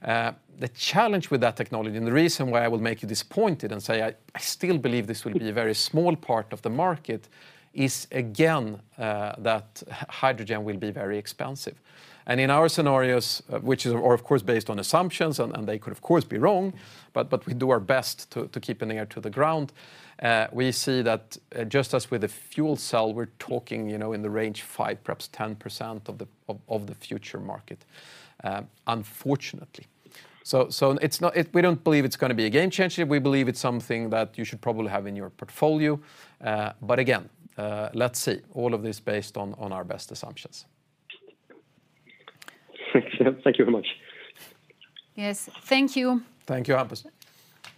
The challenge with that technology, and the reason why I will make you disappointed and say I still believe this will be a very small part of the market, is, again, that hydrogen will be very expensive. And in our scenarios, which are, of course, based on assumptions, and they could, of course, be wrong, but we do our best to keep an ear to the ground. We see that, just as with the fuel cell, we're talking, you know, in the range 5, perhaps 10% of the future market, unfortunately. So, we don't believe it's gonna be a game changer. We believe it's something that you should probably have in your portfolio. But again, let's see. All of this based on our best assumptions. Thank you. Thank you very much.... Yes. Thank you. Thank you, Hampus.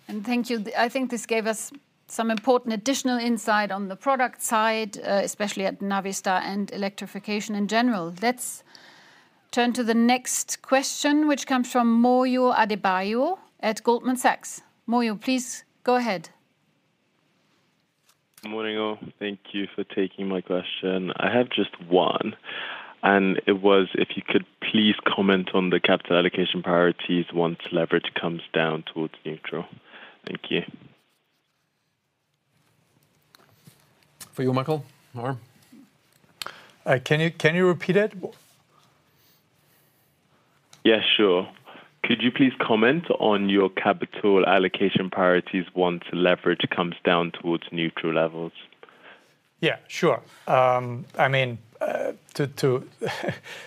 And thank you. I think this gave us some important additional insight on the product side, especially at Navistar and electrification in general. Let's turn to the next question, which comes from Moyo Adebayo at Goldman Sachs. Moyo, please go ahead. Morning all. Thank you for taking my question. I have just one, and it was if you could please comment on the capital allocation priorities once leverage comes down towards neutral. Thank you. For you, Michael, or? Can you, can you repeat it? Yeah, sure. Could you please comment on your capital allocation priorities once leverage comes down towards neutral levels? Yeah, sure. I mean, to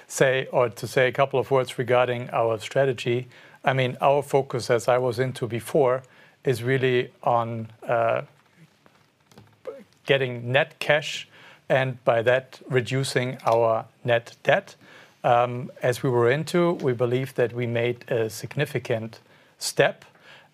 say a couple of words regarding our strategy, I mean, our focus, as I went into before, is really on getting net cash, and by that, reducing our net debt. As we went into, we believe that we made a significant step,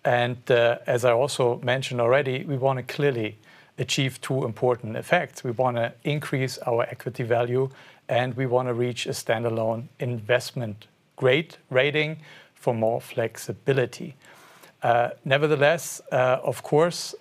and as I also mentioned already, we want to clearly achieve two important effects. We want to increase our equity value, and we want to reach a standalone investment-grade rating for more flexibility. Nevertheless, of course,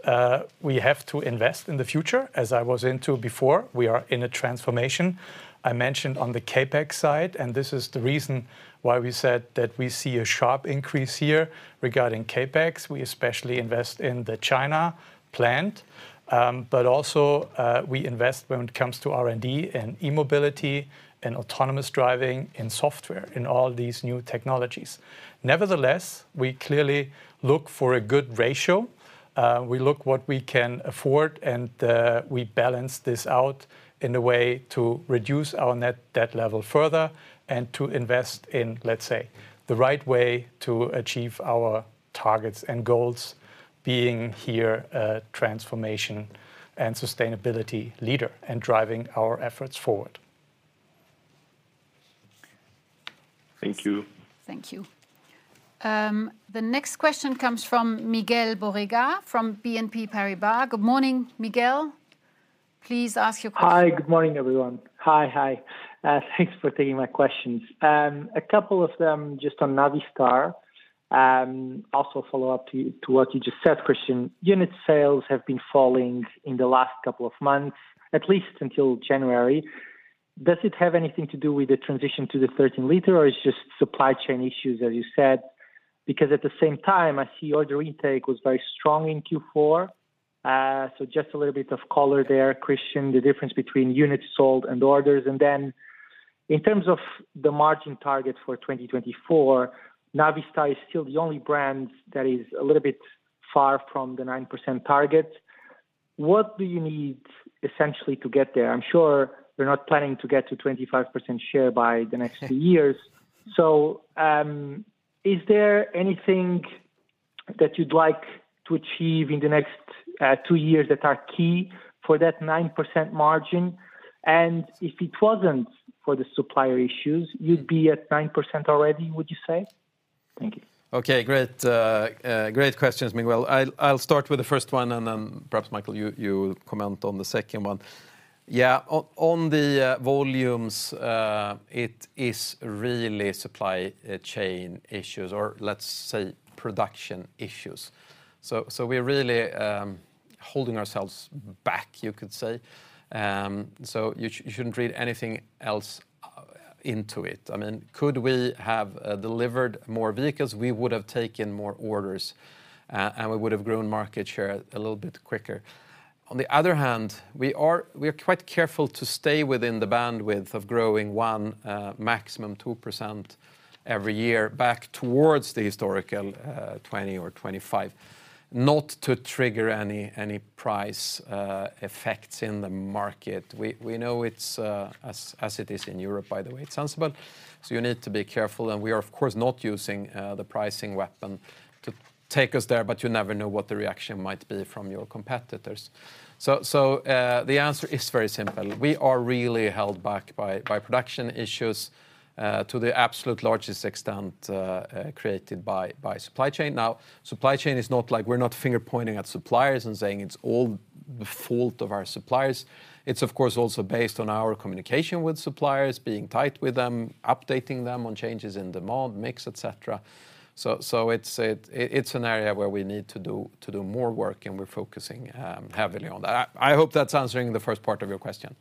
we have to invest in the future. As I went into before, we are in a transformation. I mentioned on the CapEx side, and this is the reason why we said that we see a sharp increase here regarding CapEx. We especially invest in the China plant, but also, we invest when it comes to R&D, and e-mobility, and autonomous driving, and software, in all these new technologies. Nevertheless, we clearly look for a good ratio. We look what we can afford, and, we balance this out in a way to reduce our net debt level further, and to invest in, let's say, the right way to achieve our targets and goals, being here, a transformation and sustainability leader, and driving our efforts forward. Thank you. Thank you. The next question comes from Miguel Borrega, from BNP Paribas. Good morning, Miguel. Please ask your question. Hi, good morning, everyone. Hi, hi. Thanks for taking my questions. A couple of them just on Navistar, also a follow-up to, to what you just said, Christian. Unit sales have been falling in the last couple of months, at least until January. Does it have anything to do with the transition to the 13-liter, or it's just supply chain issues, as you said? Because at the same time, I see order intake was very strong in Q4. So just a little bit of color there, Christian, the difference between units sold and orders. And then, in terms of the margin target for 2024, Navistar is still the only brand that is a little bit far from the 9% target. What do you need essentially to get there? I'm sure you're not planning to get to 25% share by the next two years. Is there anything that you'd like to achieve in the next two years that are key for that 9% margin? If it wasn't for the supplier issues, you'd be at 9% already, would you say? Thank you. Okay, great. Great questions, Miguel. I'll start with the first one, and then perhaps, Michael, you comment on the second one. Yeah, on the volumes, it is really supply chain issues or let's say, production issues. So we're really holding ourselves back, you could say. So you shouldn't read anything else into it. I mean, could we have delivered more vehicles? We would have taken more orders, and we would have grown market share a little bit quicker. On the other hand, we're quite careful to stay within the bandwidth of growing one maximum 2% every year, back towards the historical 20 or 25. Not to trigger any price effects in the market. We know it's as it is in Europe. By the way, it's sensible, so you need to be careful, and we are, of course, not using the pricing weapon to take us there, but you never know what the reaction might be from your competitors. So, the answer is very simple. We are really held back by production issues to the absolute largest extent created by supply chain. Now, supply chain is not like... We're not finger-pointing at suppliers and saying it's all the fault of our suppliers. It's of course also based on our communication with suppliers, being tight with them, updating them on changes in demand, mix, et cetera. So, it's an area where we need to do more work, and we're focusing heavily on that. I hope that's answering the first part of your question.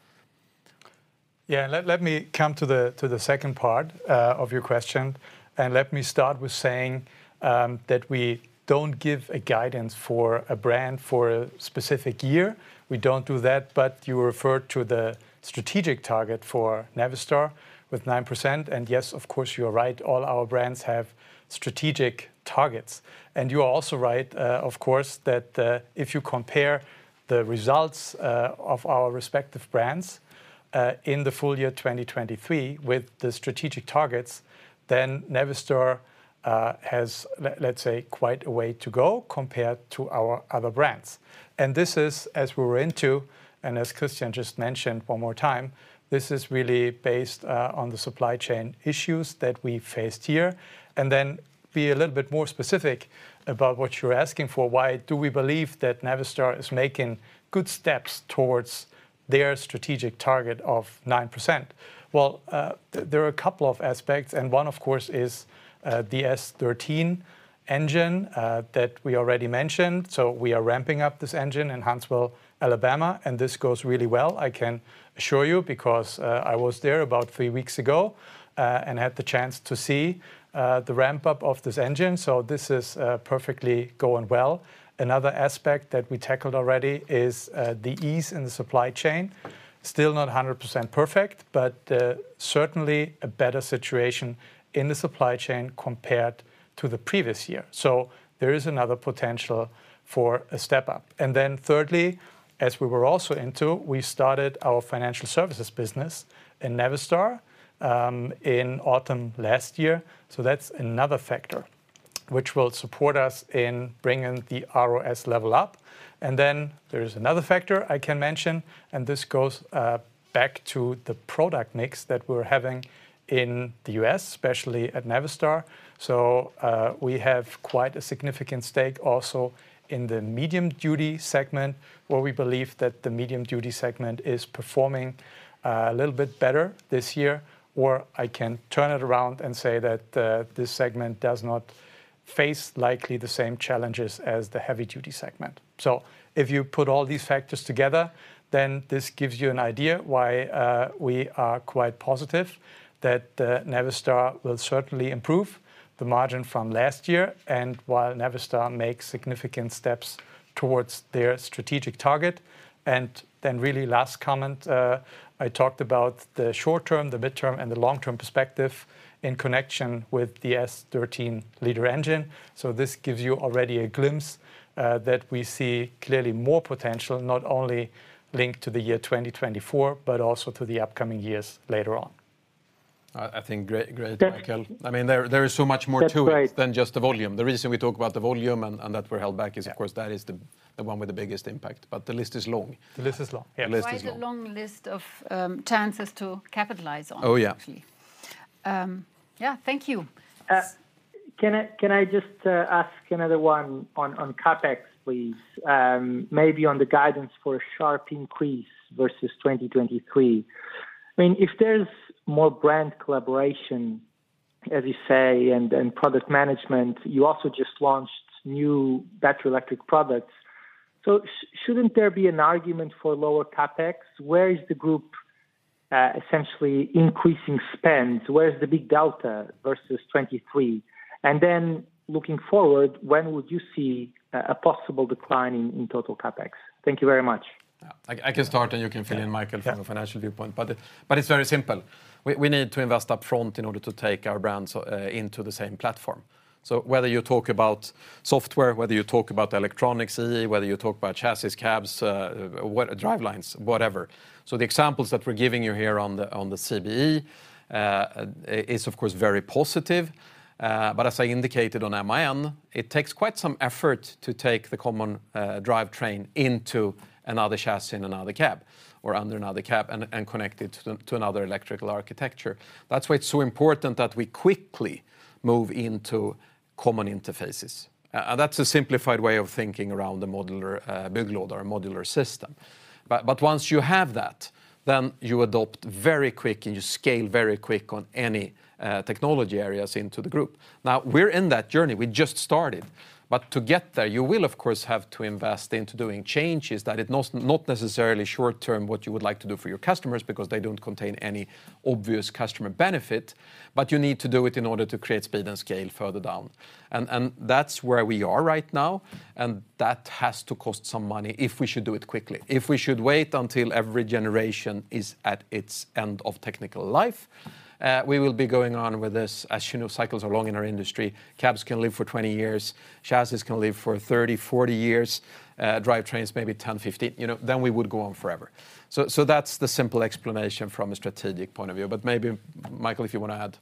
Yeah, let me come to the second part of your question, and let me start with saying that we don't give a guidance for a brand for a specific year. We don't do that, but you referred to the strategic target for Navistar with 9%, and yes, of course, you're right, all our brands have strategic targets. And you are also right, of course, that if you compare the results of our respective brands in the full year 2023 with the strategic targets, then Navistar has, let's say, quite a way to go compared to our other brands. And this is, as we were into, and as Christian just mentioned one more time, this is really based on the supply chain issues that we faced here. Then, be a little bit more specific about what you're asking for. Why do we believe that Navistar is making good steps towards their strategic target of 9%? Well, there are a couple of aspects, and one, of course, is the S13 engine that we already mentioned. So we are ramping up this engine in Huntsville, Alabama, and this goes really well, I can assure you, because I was there about three weeks ago and had the chance to see the ramp-up of this engine, so this is perfectly going well. Another aspect that we tackled already is the ease in the supply chain. Still not 100% perfect, but certainly a better situation in the supply chain compared to the previous year. So there is another potential for a step-up. And then thirdly, as we were also into, we started our financial services business in Navistar in autumn last year. So that's another factor which will support us in bringing the ROS level up. And then there is another factor I can mention, and this goes back to the product mix that we're having in the U.S., especially at Navistar. So we have quite a significant stake also in the medium-duty segment, where we believe that the medium-duty segment is performing a little bit better this year. Or I can turn it around and say that this segment does not face likely the same challenges as the heavy-duty segment. So if you put all these factors together, then this gives you an idea why we are quite positive that Navistar will certainly improve the margin from last year, and while Navistar makes significant steps towards their strategic target. And then really last comment, I talked about the short term, the midterm, and the long-term perspective in connection with the S13 liter engine. So this gives you already a glimpse that we see clearly more potential, not only linked to the year 2024, but also to the upcoming years later on. I think great, great, Michael. That- I mean, there is so much more to it- That's right... than just the volume. The reason we talk about the volume and that we're held back is- Yeah... of course, that is the one with the biggest impact, but the list is long. The list is long, yeah. The list is long. Quite a long list of chances to capitalize on, actually. Oh, yeah. Yeah. Thank you. Can I just ask another one on CapEx, please? Maybe on the guidance for a sharp increase versus 2023. I mean, if there's more brand collaboration, as you say, and product management, you also just launched new battery electric products, so shouldn't there be an argument for lower CapEx? Where is the group essentially increasing spend? Where is the big delta versus 2023? And then looking forward, when would you see a possible decline in total CapEx? Thank you very much. Yeah, I can start, and you can fill in, Michael- Yeah... from a financial viewpoint. But it, but it's very simple. We, we need to invest up front in order to take our brands into the same platform. So whether you talk about software, whether you talk about electronics, E/E, whether you talk about chassis, cabs, what, drivelines, whatever. So the examples that we're giving you here on the, on the CBE is, of course, very positive. But as I indicated on MAN, it takes quite some effort to take the common drivetrain into another chassis and another cab, or under another cab, and, and connect it to, to another electrical architecture. That's why it's so important that we quickly move into common interfaces. And that's a simplified way of thinking around the modular build load or a modular system. But once you have that, then you adopt very quick, and you scale very quick on any technology areas into the group. Now, we're in that journey. We just started. But to get there, you will, of course, have to invest into doing changes that it not necessarily short term, what you would like to do for your customers, because they don't contain any obvious customer benefit, but you need to do it in order to create speed and scale further down. And that's where we are right now, and that has to cost some money if we should do it quickly. If we should wait until every generation is at its end of technical life, we will be going on with this. As you know, cycles are long in our industry. Cabs can live for 20 years, chassis can live for 30, 40 years, drivetrains, maybe 10, 15. You know, then we would go on forever. So, so that's the simple explanation from a strategic point of view. But maybe, Michael, if you want to add?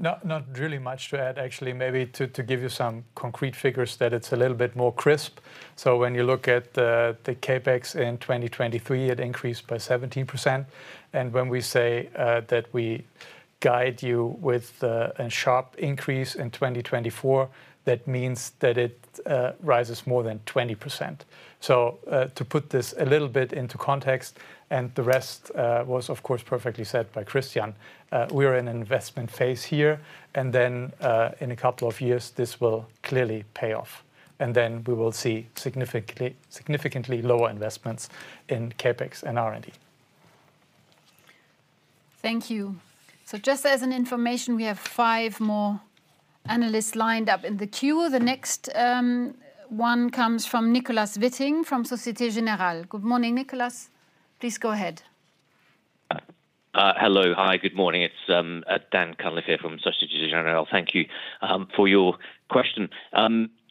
Not really much to add, actually. Maybe to give you some concrete figures that it's a little bit more crisp. So when you look at the CapEx in 2023, it increased by 17%, and when we say that we guide you with a sharp increase in 2024, that means that it rises more than 20%. So to put this a little bit into context, and the rest was, of course, perfectly said by Christian, we are in an investment phase here, and then in a couple of years, this will clearly pay off, and then we will see significantly lower investments in CapEx and R&D. Thank you. So just as an information, we have five more analysts lined up in the queue. The next one comes from Nicolas Witting from Société Générale. Good morning, Nicholas. Please go ahead. Hello. Hi, good morning. It's Dan Cunliffe here from Société Générale. Thank you for your question.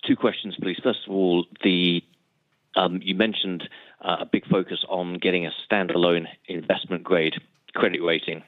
Two questions, please. First of all, you mentioned a big focus on getting a standalone investment-grade credit rating.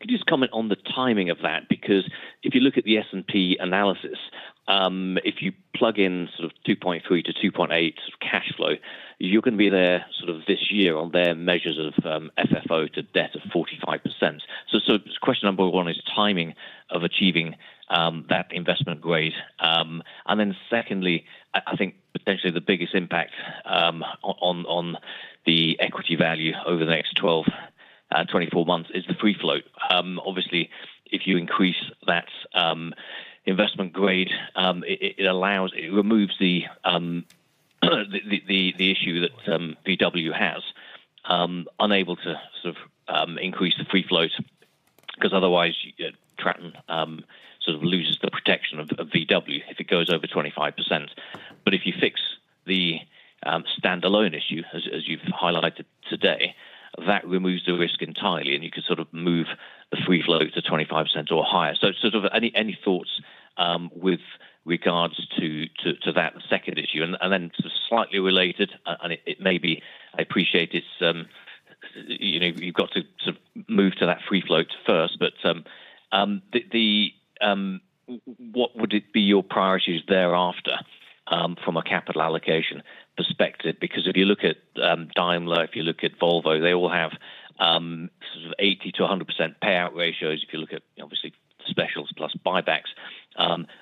Could you just comment on the timing of that? Because if you look at the S&P analysis, if you plug in sort of 2.3-2.8 sort of cash flow, you can be there sort of this year on their measures of FFO to debt of 45%. So question number one is timing of achieving that investment grade. And then secondly, I think potentially the biggest impact on the equity value over the next 12 months, 24 months is the free float. Obviously, if you increase that investment-grade, it allows- it removes the issue that VW has, unable to sort of increase the free float, 'cause otherwise, you get TRATON sort of loses the protection of VW if it goes over 25%. But if you fix the standalone issue, as you've highlighted today, that removes the risk entirely, and you can sort of move the free float to 25% or higher. So sort of any thoughts with regards to that second issue? And then just slightly related, and it may be... I appreciate it's, you know, you've got to sort of move to that free float first, but, the, the, what would it be your priorities thereafter, from a capital allocation perspective? Because if you look at, Daimler, if you look at Volvo, they all have, sort of 80%-100% payout ratios. If you look at, obviously, specials plus buybacks,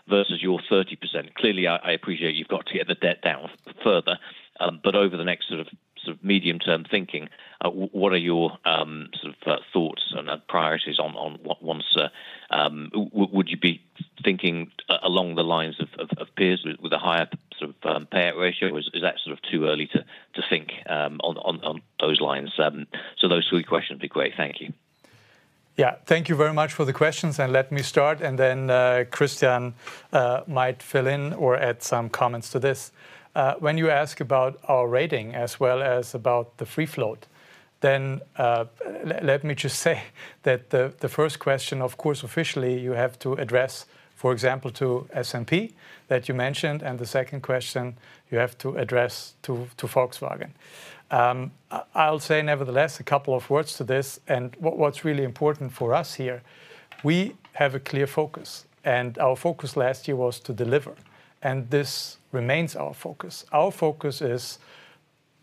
versus your 30%. Clearly, I appreciate you've got to get the debt down further, but over the next sort of, sort of medium-term thinking, what are your, sort of, thoughts and priorities on, on once... Would you be thinking along the lines of peers with a higher sort of payout ratio, or is that sort of too early to think on those lines? So those three questions would be great. Thank you. Yeah, thank you very much for the questions, and let me start, and then Christian might fill in or add some comments to this. When you ask about our rating as well as about the free float, then let me just say that the first question, of course, officially, you have to address, for example, to S&P, that you mentioned, and the second question, you have to address to Volkswagen. I'll say, nevertheless, a couple of words to this, and what's really important for us here, we have a clear focus, and our focus last year was to deliver, and this remains our focus. Our focus is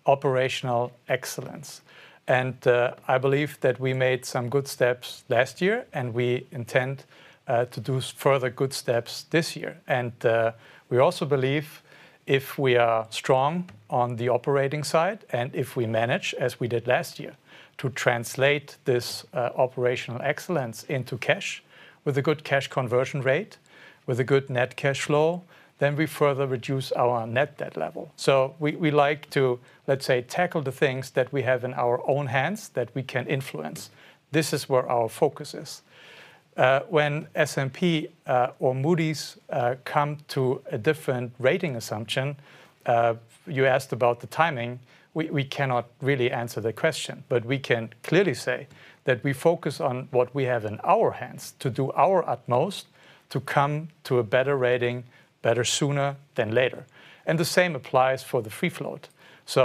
operational excellence, and I believe that we made some good steps last year, and we intend to do further good steps this year. We also believe if we are strong on the operating side, and if we manage, as we did last year, to translate this, operational excellence into cash with a good cash conversion rate, with a good net cash flow, then we further reduce our net debt level. So we, we like to, let's say, tackle the things that we have in our own hands that we can influence. This is where our focus is. When S&P, or Moody's, come to a different rating assumption, you asked about the timing, we, we cannot really answer the question. But we can clearly say that we focus on what we have in our hands to do our utmost to come to a better rating, better sooner than later. And the same applies for the free float. So,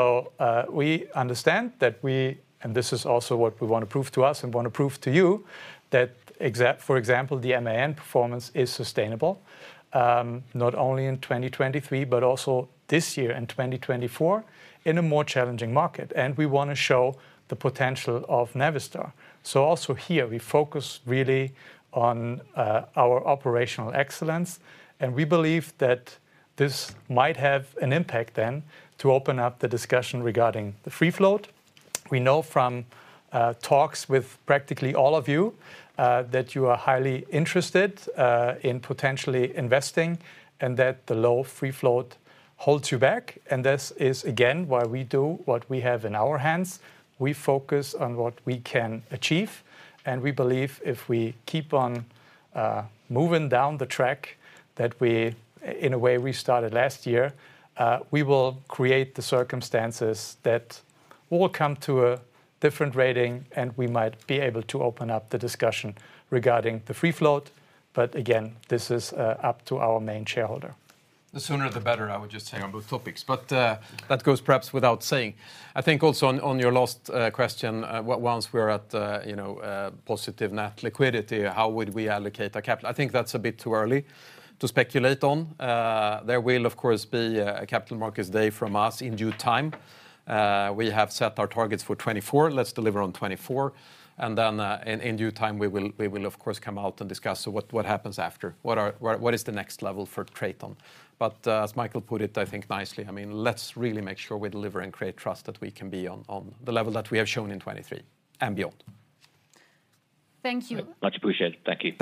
we understand that we... This is also what we want to prove to us and want to prove to you, that for example, the MAN performance is sustainable, not only in 2023, but also this year, in 2024, in a more challenging market, and we want to show the potential of Navistar. Also here, we focus really on our operational excellence, and we believe that this might have an impact then to open up the discussion regarding the free float. We know from talks with practically all of you that you are highly interested in potentially investing, and that the low free float holds you back, and this is, again, why we do what we have in our hands. We focus on what we can achieve, and we believe if we keep on moving down the track, that we, in a way, we started last year, we will create the circumstances that will come to a different rating, and we might be able to open up the discussion regarding the free float. But again, this is up to our main shareholder. The sooner, the better, I would just say on both topics. But that goes perhaps without saying. I think also on your last question, once we're at, you know, positive net liquidity, how would we allocate our capital? I think that's a bit too early to speculate on. There will, of course, be a Capital Markets Day from us in due time. We have set our targets for 2024. Let's deliver on 2024, and then, in due time, we will, of course, come out and discuss what happens after, what is the next level for TRATON. But as Michael put it, I think nicely, I mean, let's really make sure we deliver and create trust that we can be on the level that we have shown in 2023 and beyond. Thank you. Much appreciated. Thank you.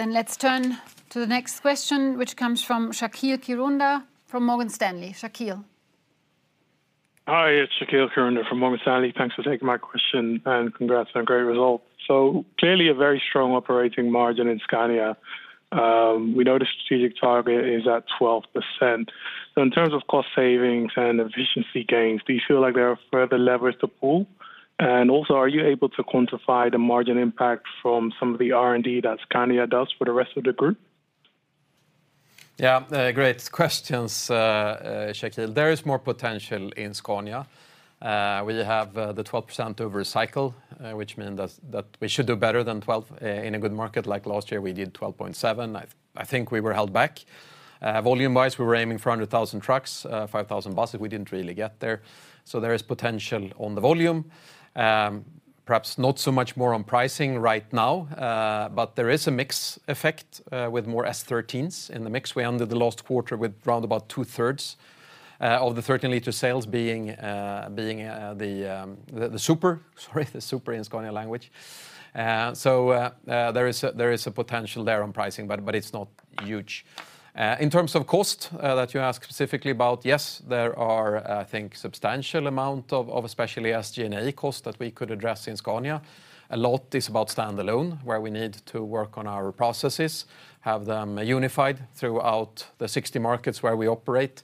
Thanks. Then let's turn to the next question, which comes from Shaqeal Kirunda, from Morgan Stanley. Shaqeal? Hi, it's Shaqeal Kirunda from Morgan Stanley. Thanks for taking my question, and congrats on a great result. So clearly, a very strong operating margin in Scania. We know the strategic target is at 12%. So in terms of cost savings and efficiency gains, do you feel like there are further levers to pull? And also, are you able to quantify the margin impact from some of the R&D that Scania does for the rest of the group? Yeah, great questions, Shaqeal. There is more potential in Scania. We have the 12% over a cycle, which mean that we should do better than 12. In a good market, like last year, we did 12.7. I think we were held back. Volume-wise, we were aiming for 100,000 trucks, 5,000 buses. We didn't really get there. So there is potential on the volume. ... perhaps not so much more on pricing right now, but there is a mix effect with more S13s in the mix. We ended the last quarter with round about two-thirds of the 13-liter sales being the Super, sorry, the Super in Scania language. So, there is a potential there on pricing, but it's not huge. In terms of cost that you asked specifically about, yes, there are, I think, substantial amount of especially SG&A costs that we could address in Scania. A lot is about standalone, where we need to work on our processes, have them unified throughout the 60 markets where we operate.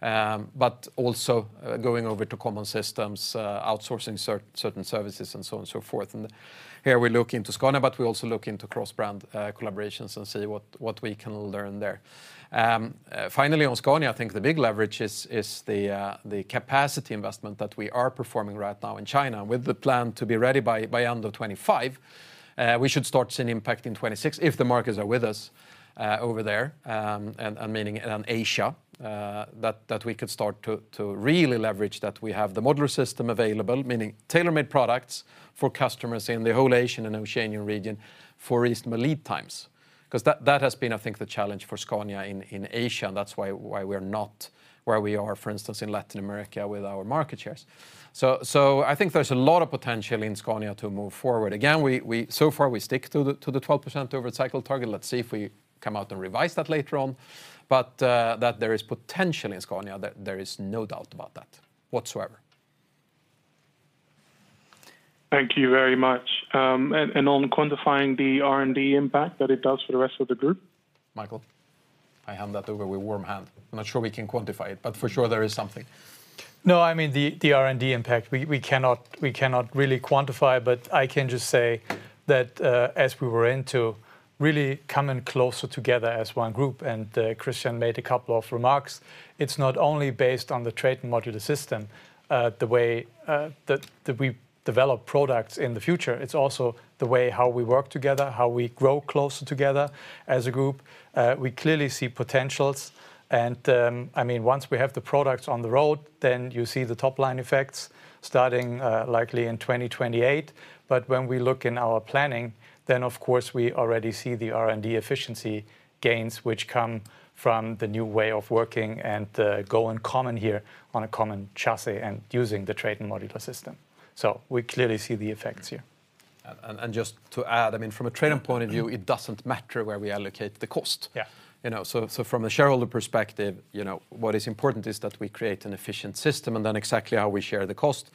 But also, going over to common systems, outsourcing certain services, and so on and so forth. Here, we look into Scania, but we also look into cross-brand collaborations and see what we can learn there. Finally, on Scania, I think the big leverage is the capacity investment that we are performing right now in China, with the plan to be ready by end of 2025. We should start seeing impact in 2026, if the markets are with us over there, and meaning in Asia. That we could start to really leverage that we have the modular system available, meaning tailor-made products for customers in the whole Asian and Oceanian region for reasonable lead times. 'Cause that has been, I think, the challenge for Scania in Asia, and that's why we're not where we are, for instance, in Latin America with our market shares. So, I think there's a lot of potential in Scania to move forward. Again, so far, we stick to the 12% over-cycle target. Let's see if we come out and revise that later on. But, that there is potential in Scania, there is no doubt about that, whatsoever. Thank you very much. On quantifying the R&D impact that it does for the rest of the group? Michael, I hand that over with warm hand. I'm not sure we can quantify it, but for sure, there is something. No, I mean, the R&D impact, we cannot really quantify, but I can just say that, as we were into really coming closer together as one group, and Christian made a couple of remarks, it's not only based on the TRATON modular system, the way that we develop products in the future, it's also the way how we work together, how we grow closer together as a group. We clearly see potentials, and I mean, once we have the products on the road, then you see the top-line effects starting, likely in 2028. But when we look in our planning, then, of course, we already see the R&D efficiency gains, which come from the new way of working and going common here on a common chassis and using the TRATON modular system. We clearly see the effects here. Just to add, I mean, from a trade-in point of view, it doesn't matter where we allocate the cost. Yeah. You know, so, so from a shareholder perspective, you know, what is important is that we create an efficient system, and then exactly how we share the cost,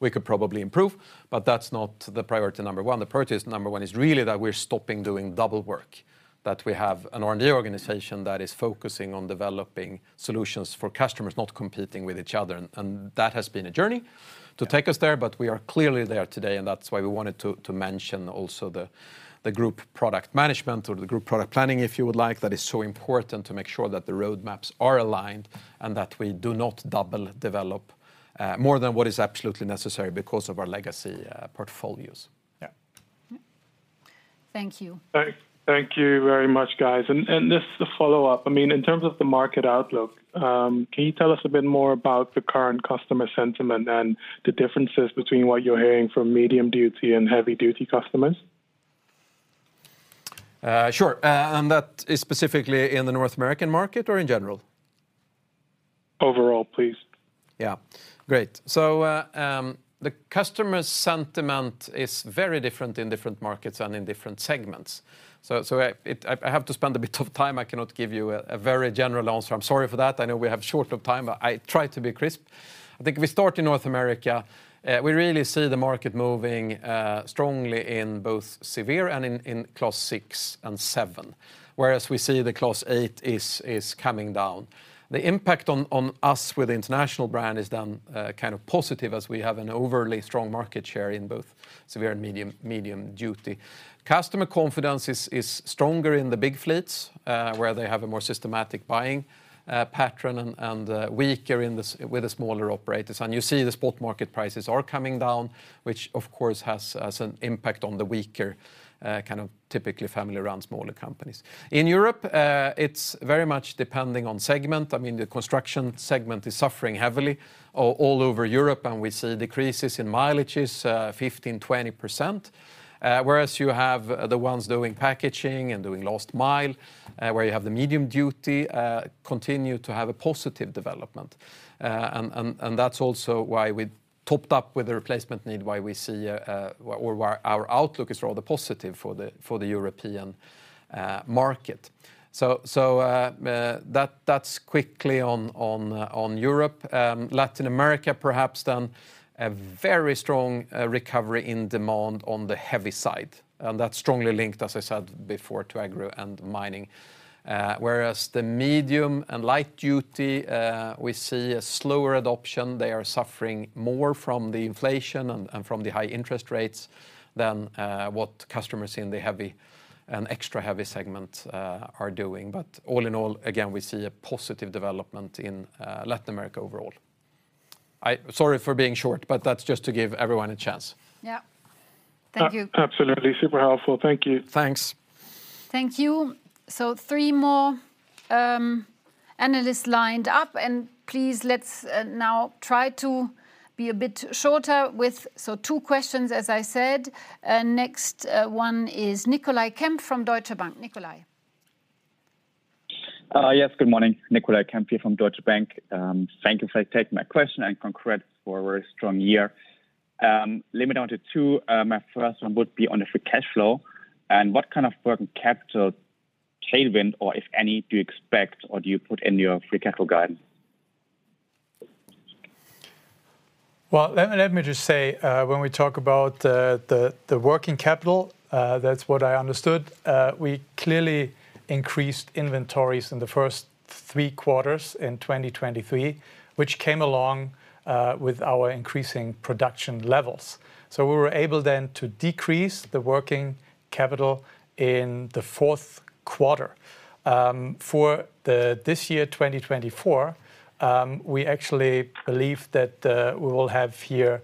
we could probably improve, but that's not the priority number one. The priority number one is really that we're stopping doing double work, that we have an R&D organization that is focusing on developing solutions for customers, not competing with each other. And, and that has been a journey- Yeah... to take us there, but we are clearly there today, and that's why we wanted to mention also the group product management or the group product planning, if you would like. That is so important to make sure that the roadmaps are aligned, and that we do not double develop more than what is absolutely necessary because of our legacy portfolios. Yeah. Thank you. Thank you very much, guys. And just a follow-up, I mean, in terms of the market outlook, can you tell us a bit more about the current customer sentiment and the differences between what you're hearing from medium-duty and heavy-duty customers? Sure, and that is specifically in the North American market or in general? Overall, please. Yeah. Great. So, the customer sentiment is very different in different markets and in different segments. So, I have to spend a bit of time. I cannot give you a very general answer. I'm sorry for that. I know we have short of time, but I try to be crisp. I think if we start in North America, we really see the market moving strongly in both severe and in Class 6 and 7, whereas we see the Class 8 is coming down. The impact on us with the International brand is then kind of positive, as we have an overly strong market share in both severe and medium, medium-duty. Customer confidence is stronger in the big fleets, where they have a more systematic buying pattern and weaker in the with the smaller operators. And you see the spot market prices are coming down, which, of course, has an impact on the weaker, kind of typically family-run smaller companies. In Europe, it's very much depending on segment. I mean, the construction segment is suffering heavily all over Europe, and we see decreases in mileages, 15%-20%. Whereas you have the ones doing packaging and doing last mile, where you have the medium-duty continue to have a positive development. And that's also why we topped up with the replacement need, why we see, or why our outlook is rather positive for the European market. That's quickly on Europe. Latin America, perhaps then, a very strong recovery in demand on the heavy side, and that's strongly linked, as I said before, to agro and mining. Whereas the medium- and light-duty, we see a slower adoption. They are suffering more from the inflation and from the high interest rates than what customers in the heavy and extra heavy segments are doing. But all in all, again, we see a positive development in Latin America overall. Sorry for being short, but that's just to give everyone a chance. Yeah. Thank you. Absolutely. Super helpful. Thank you. Thanks.... Thank you. So three more analysts lined up, and please, let's now try to be a bit shorter with, so two questions, as I said. Next, one is Nicolai Kempf from Deutsche Bank. Nicolai? Yes, good morning, Nicolai Kempf here from Deutsche Bank. Thank you for taking my question, and congrats for a very strong year. Limit down to two, my first one would be on the free cash flow, and what kind of working capital tailwind, or if any, do you expect or do you put in your free cash flow guidance? Well, let me, let me just say, when we talk about the working capital, that's what I understood, we clearly increased inventories in the first three quarters in 2023, which came along with our increasing production levels. So we were able then to decrease the working capital in the fourth quarter. For this year, 2024, we actually believe that we will have here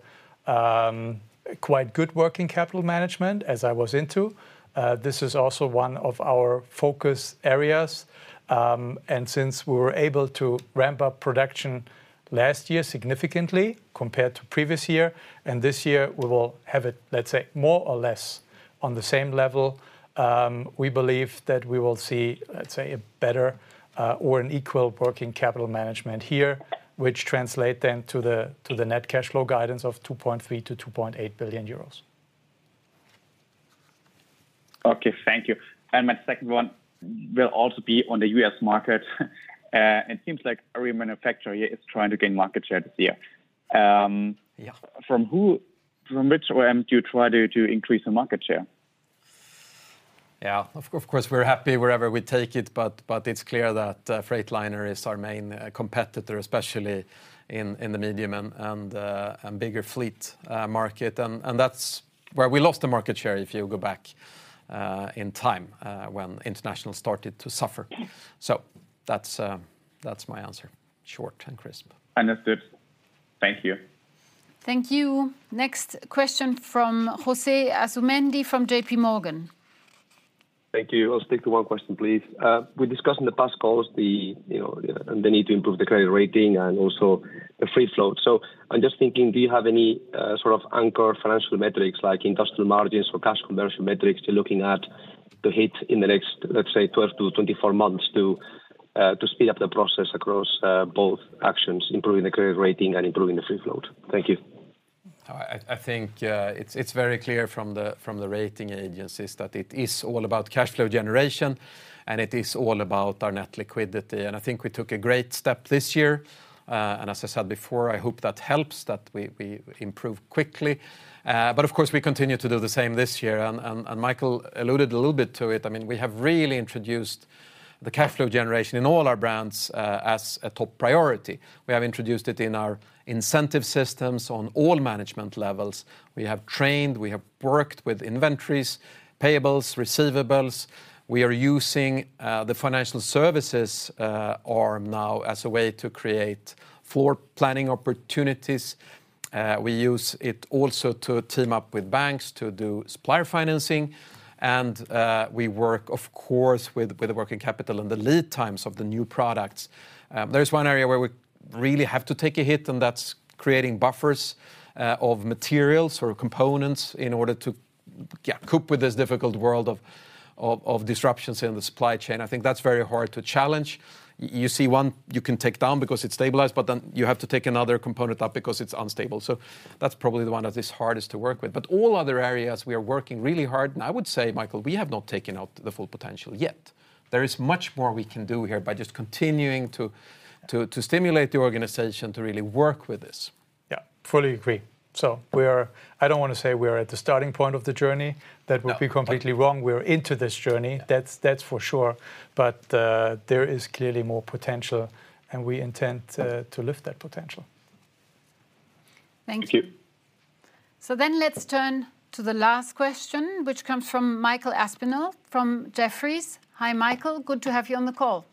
quite good working capital management, as I was into. This is also one of our focus areas. Since we were able to ramp up production last year significantly compared to previous year, and this year we will have it, let's say, more or less on the same level, we believe that we will see, let's say, a better, or an equal working capital management here, which translate then to the net cash flow guidance of 2.3 billion-2.8 billion euros. Okay, thank you. My second one will also be on the US market. It seems like every manufacturer here is trying to gain market share this year. Yeah... from who, from which OEM do you try to, to increase the market share? Yeah, of course, we're happy wherever we take it, but it's clear that Freightliner is our main competitor, especially in the medium and bigger fleet market. That's where we lost the market share, if you go back in time, when International started to suffer. Yeah. That's my answer. Short and crisp. That's good. Thank you. Thank you. Next question from Jose Asumendi from JP Morgan. Thank you. I'll stick to one question, please. We discussed in the past calls the, you know, the need to improve the credit rating and also the free float. So I'm just thinking, do you have any, sort of anchor financial metrics, like industrial margins or cash conversion metrics, you're looking at to hit in the next, let's say, 12-24 months, to, to speed up the process across, both actions, improving the credit rating and improving the free float? Thank you. I think it's very clear from the rating agencies that it is all about cash flow generation, and it is all about our net liquidity. And I think we took a great step this year. And as I said before, I hope that helps, that we improve quickly. But of course, we continue to do the same this year. And Michael alluded a little bit to it. I mean, we have really introduced the cash flow generation in all our brands as a top priority. We have introduced it in our incentive systems on all management levels. We have trained, we have worked with inventories, payables, receivables. We are using the financial services arm now as a way to create floor planning opportunities. We use it also to team up with banks to do supplier financing, and we work, of course, with the working capital and the lead times of the new products. There's one area where we really have to take a hit, and that's creating buffers of materials or components in order to cope with this difficult world of disruptions in the supply chain. I think that's very hard to challenge. You see one you can take down because it's stabilized, but then you have to take another component up because it's unstable. So that's probably the one that is hardest to work with. But all other areas, we are working really hard, and I would say, Michael, we have not taken out the full potential yet. There is much more we can do here by just continuing to stimulate the organization to really work with this. Yeah, fully agree. So we are... I don't want to say we are at the starting point of the journey. No. That would be completely wrong. We're into this journey- Yeah... that's, that's for sure. But, there is clearly more potential, and we intend to lift that potential. Thank you. Thank you. So then, let's turn to the last question, which comes from Michael Aspinall from Jefferies. Hi, Michael, good to have you on the call.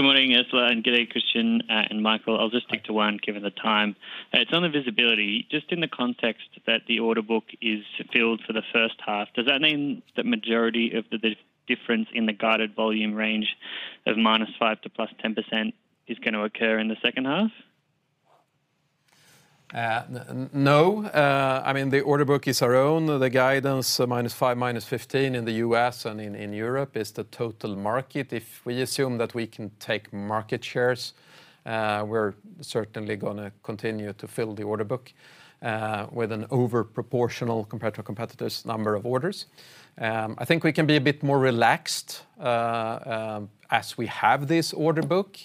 Good morning, Ursula, and good day, Christian and Michael. I'll just stick to one, given the time. It's on the visibility. Just in the context that the order book is filled for the first half, does that mean the majority of the difference in the guided volume range of -5% to +10% is going to occur in the second half? No. I mean, the order book is our own. The guidance, -5 to -15 in the US and in Europe is the total market. If we assume that we can take market shares, we're certainly going to continue to fill the order book with an over proportional, compared to competitors, number of orders. I think we can be a bit more relaxed as we have this order book,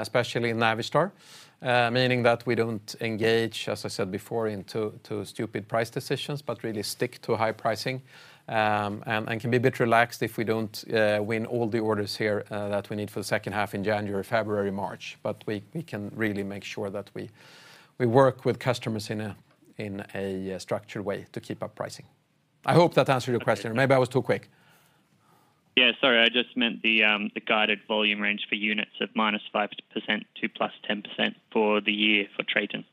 especially in Navistar, meaning that we don't engage, as I said before, into stupid price decisions, but really stick to high pricing. And can be a bit relaxed if we don't win all the orders here that we need for the second half in January, February, March. But we can really make sure that we work with customers in a structured way to keep up pricing. I hope that answered your question. Okay. Maybe I was too quick. Yeah, sorry, I just meant the guided volume range for units of -5% to +10% for the year for TRATON.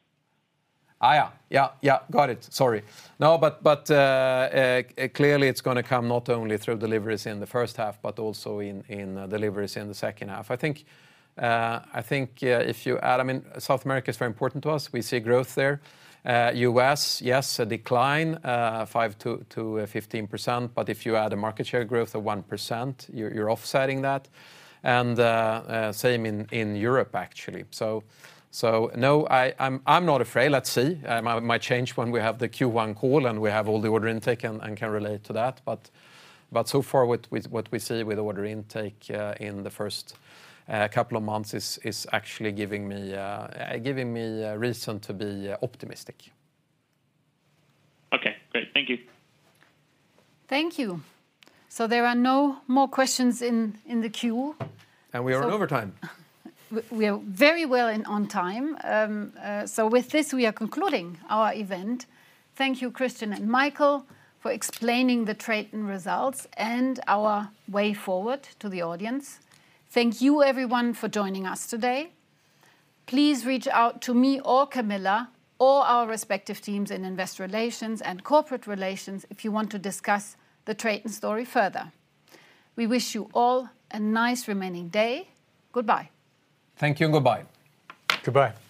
Ah, yeah. Yeah, yeah, got it. Sorry. No, but, but, clearly, it's going to come not only through deliveries in the first half, but also in deliveries in the second half. I think, I think, if you add... I mean, South America is very important to us. We see growth there. U.S., yes, a decline, 5%-15%, but if you add a market share growth of 1%, you're offsetting that. And, same in Europe, actually. So, no, I'm not afraid. Let's see. I might change when we have the Q1 call, and we have all the order intake and can relate to that. So far, what we see with order intake in the first couple of months is actually giving me a reason to be optimistic. Okay, great. Thank you. Thank you. So there are no more questions in the queue. We are in overtime. We are very well and on time. So with this, we are concluding our event. Thank you, Christian and Michael, for explaining the TRATON results and our way forward to the audience. Thank you, everyone, for joining us today. Please reach out to me or Camilla, or our respective teams in Investor Relations and Corporate Relations if you want to discuss the TRATON story further. We wish you all a nice remaining day. Goodbye. Thank you, and goodbye. Goodbye.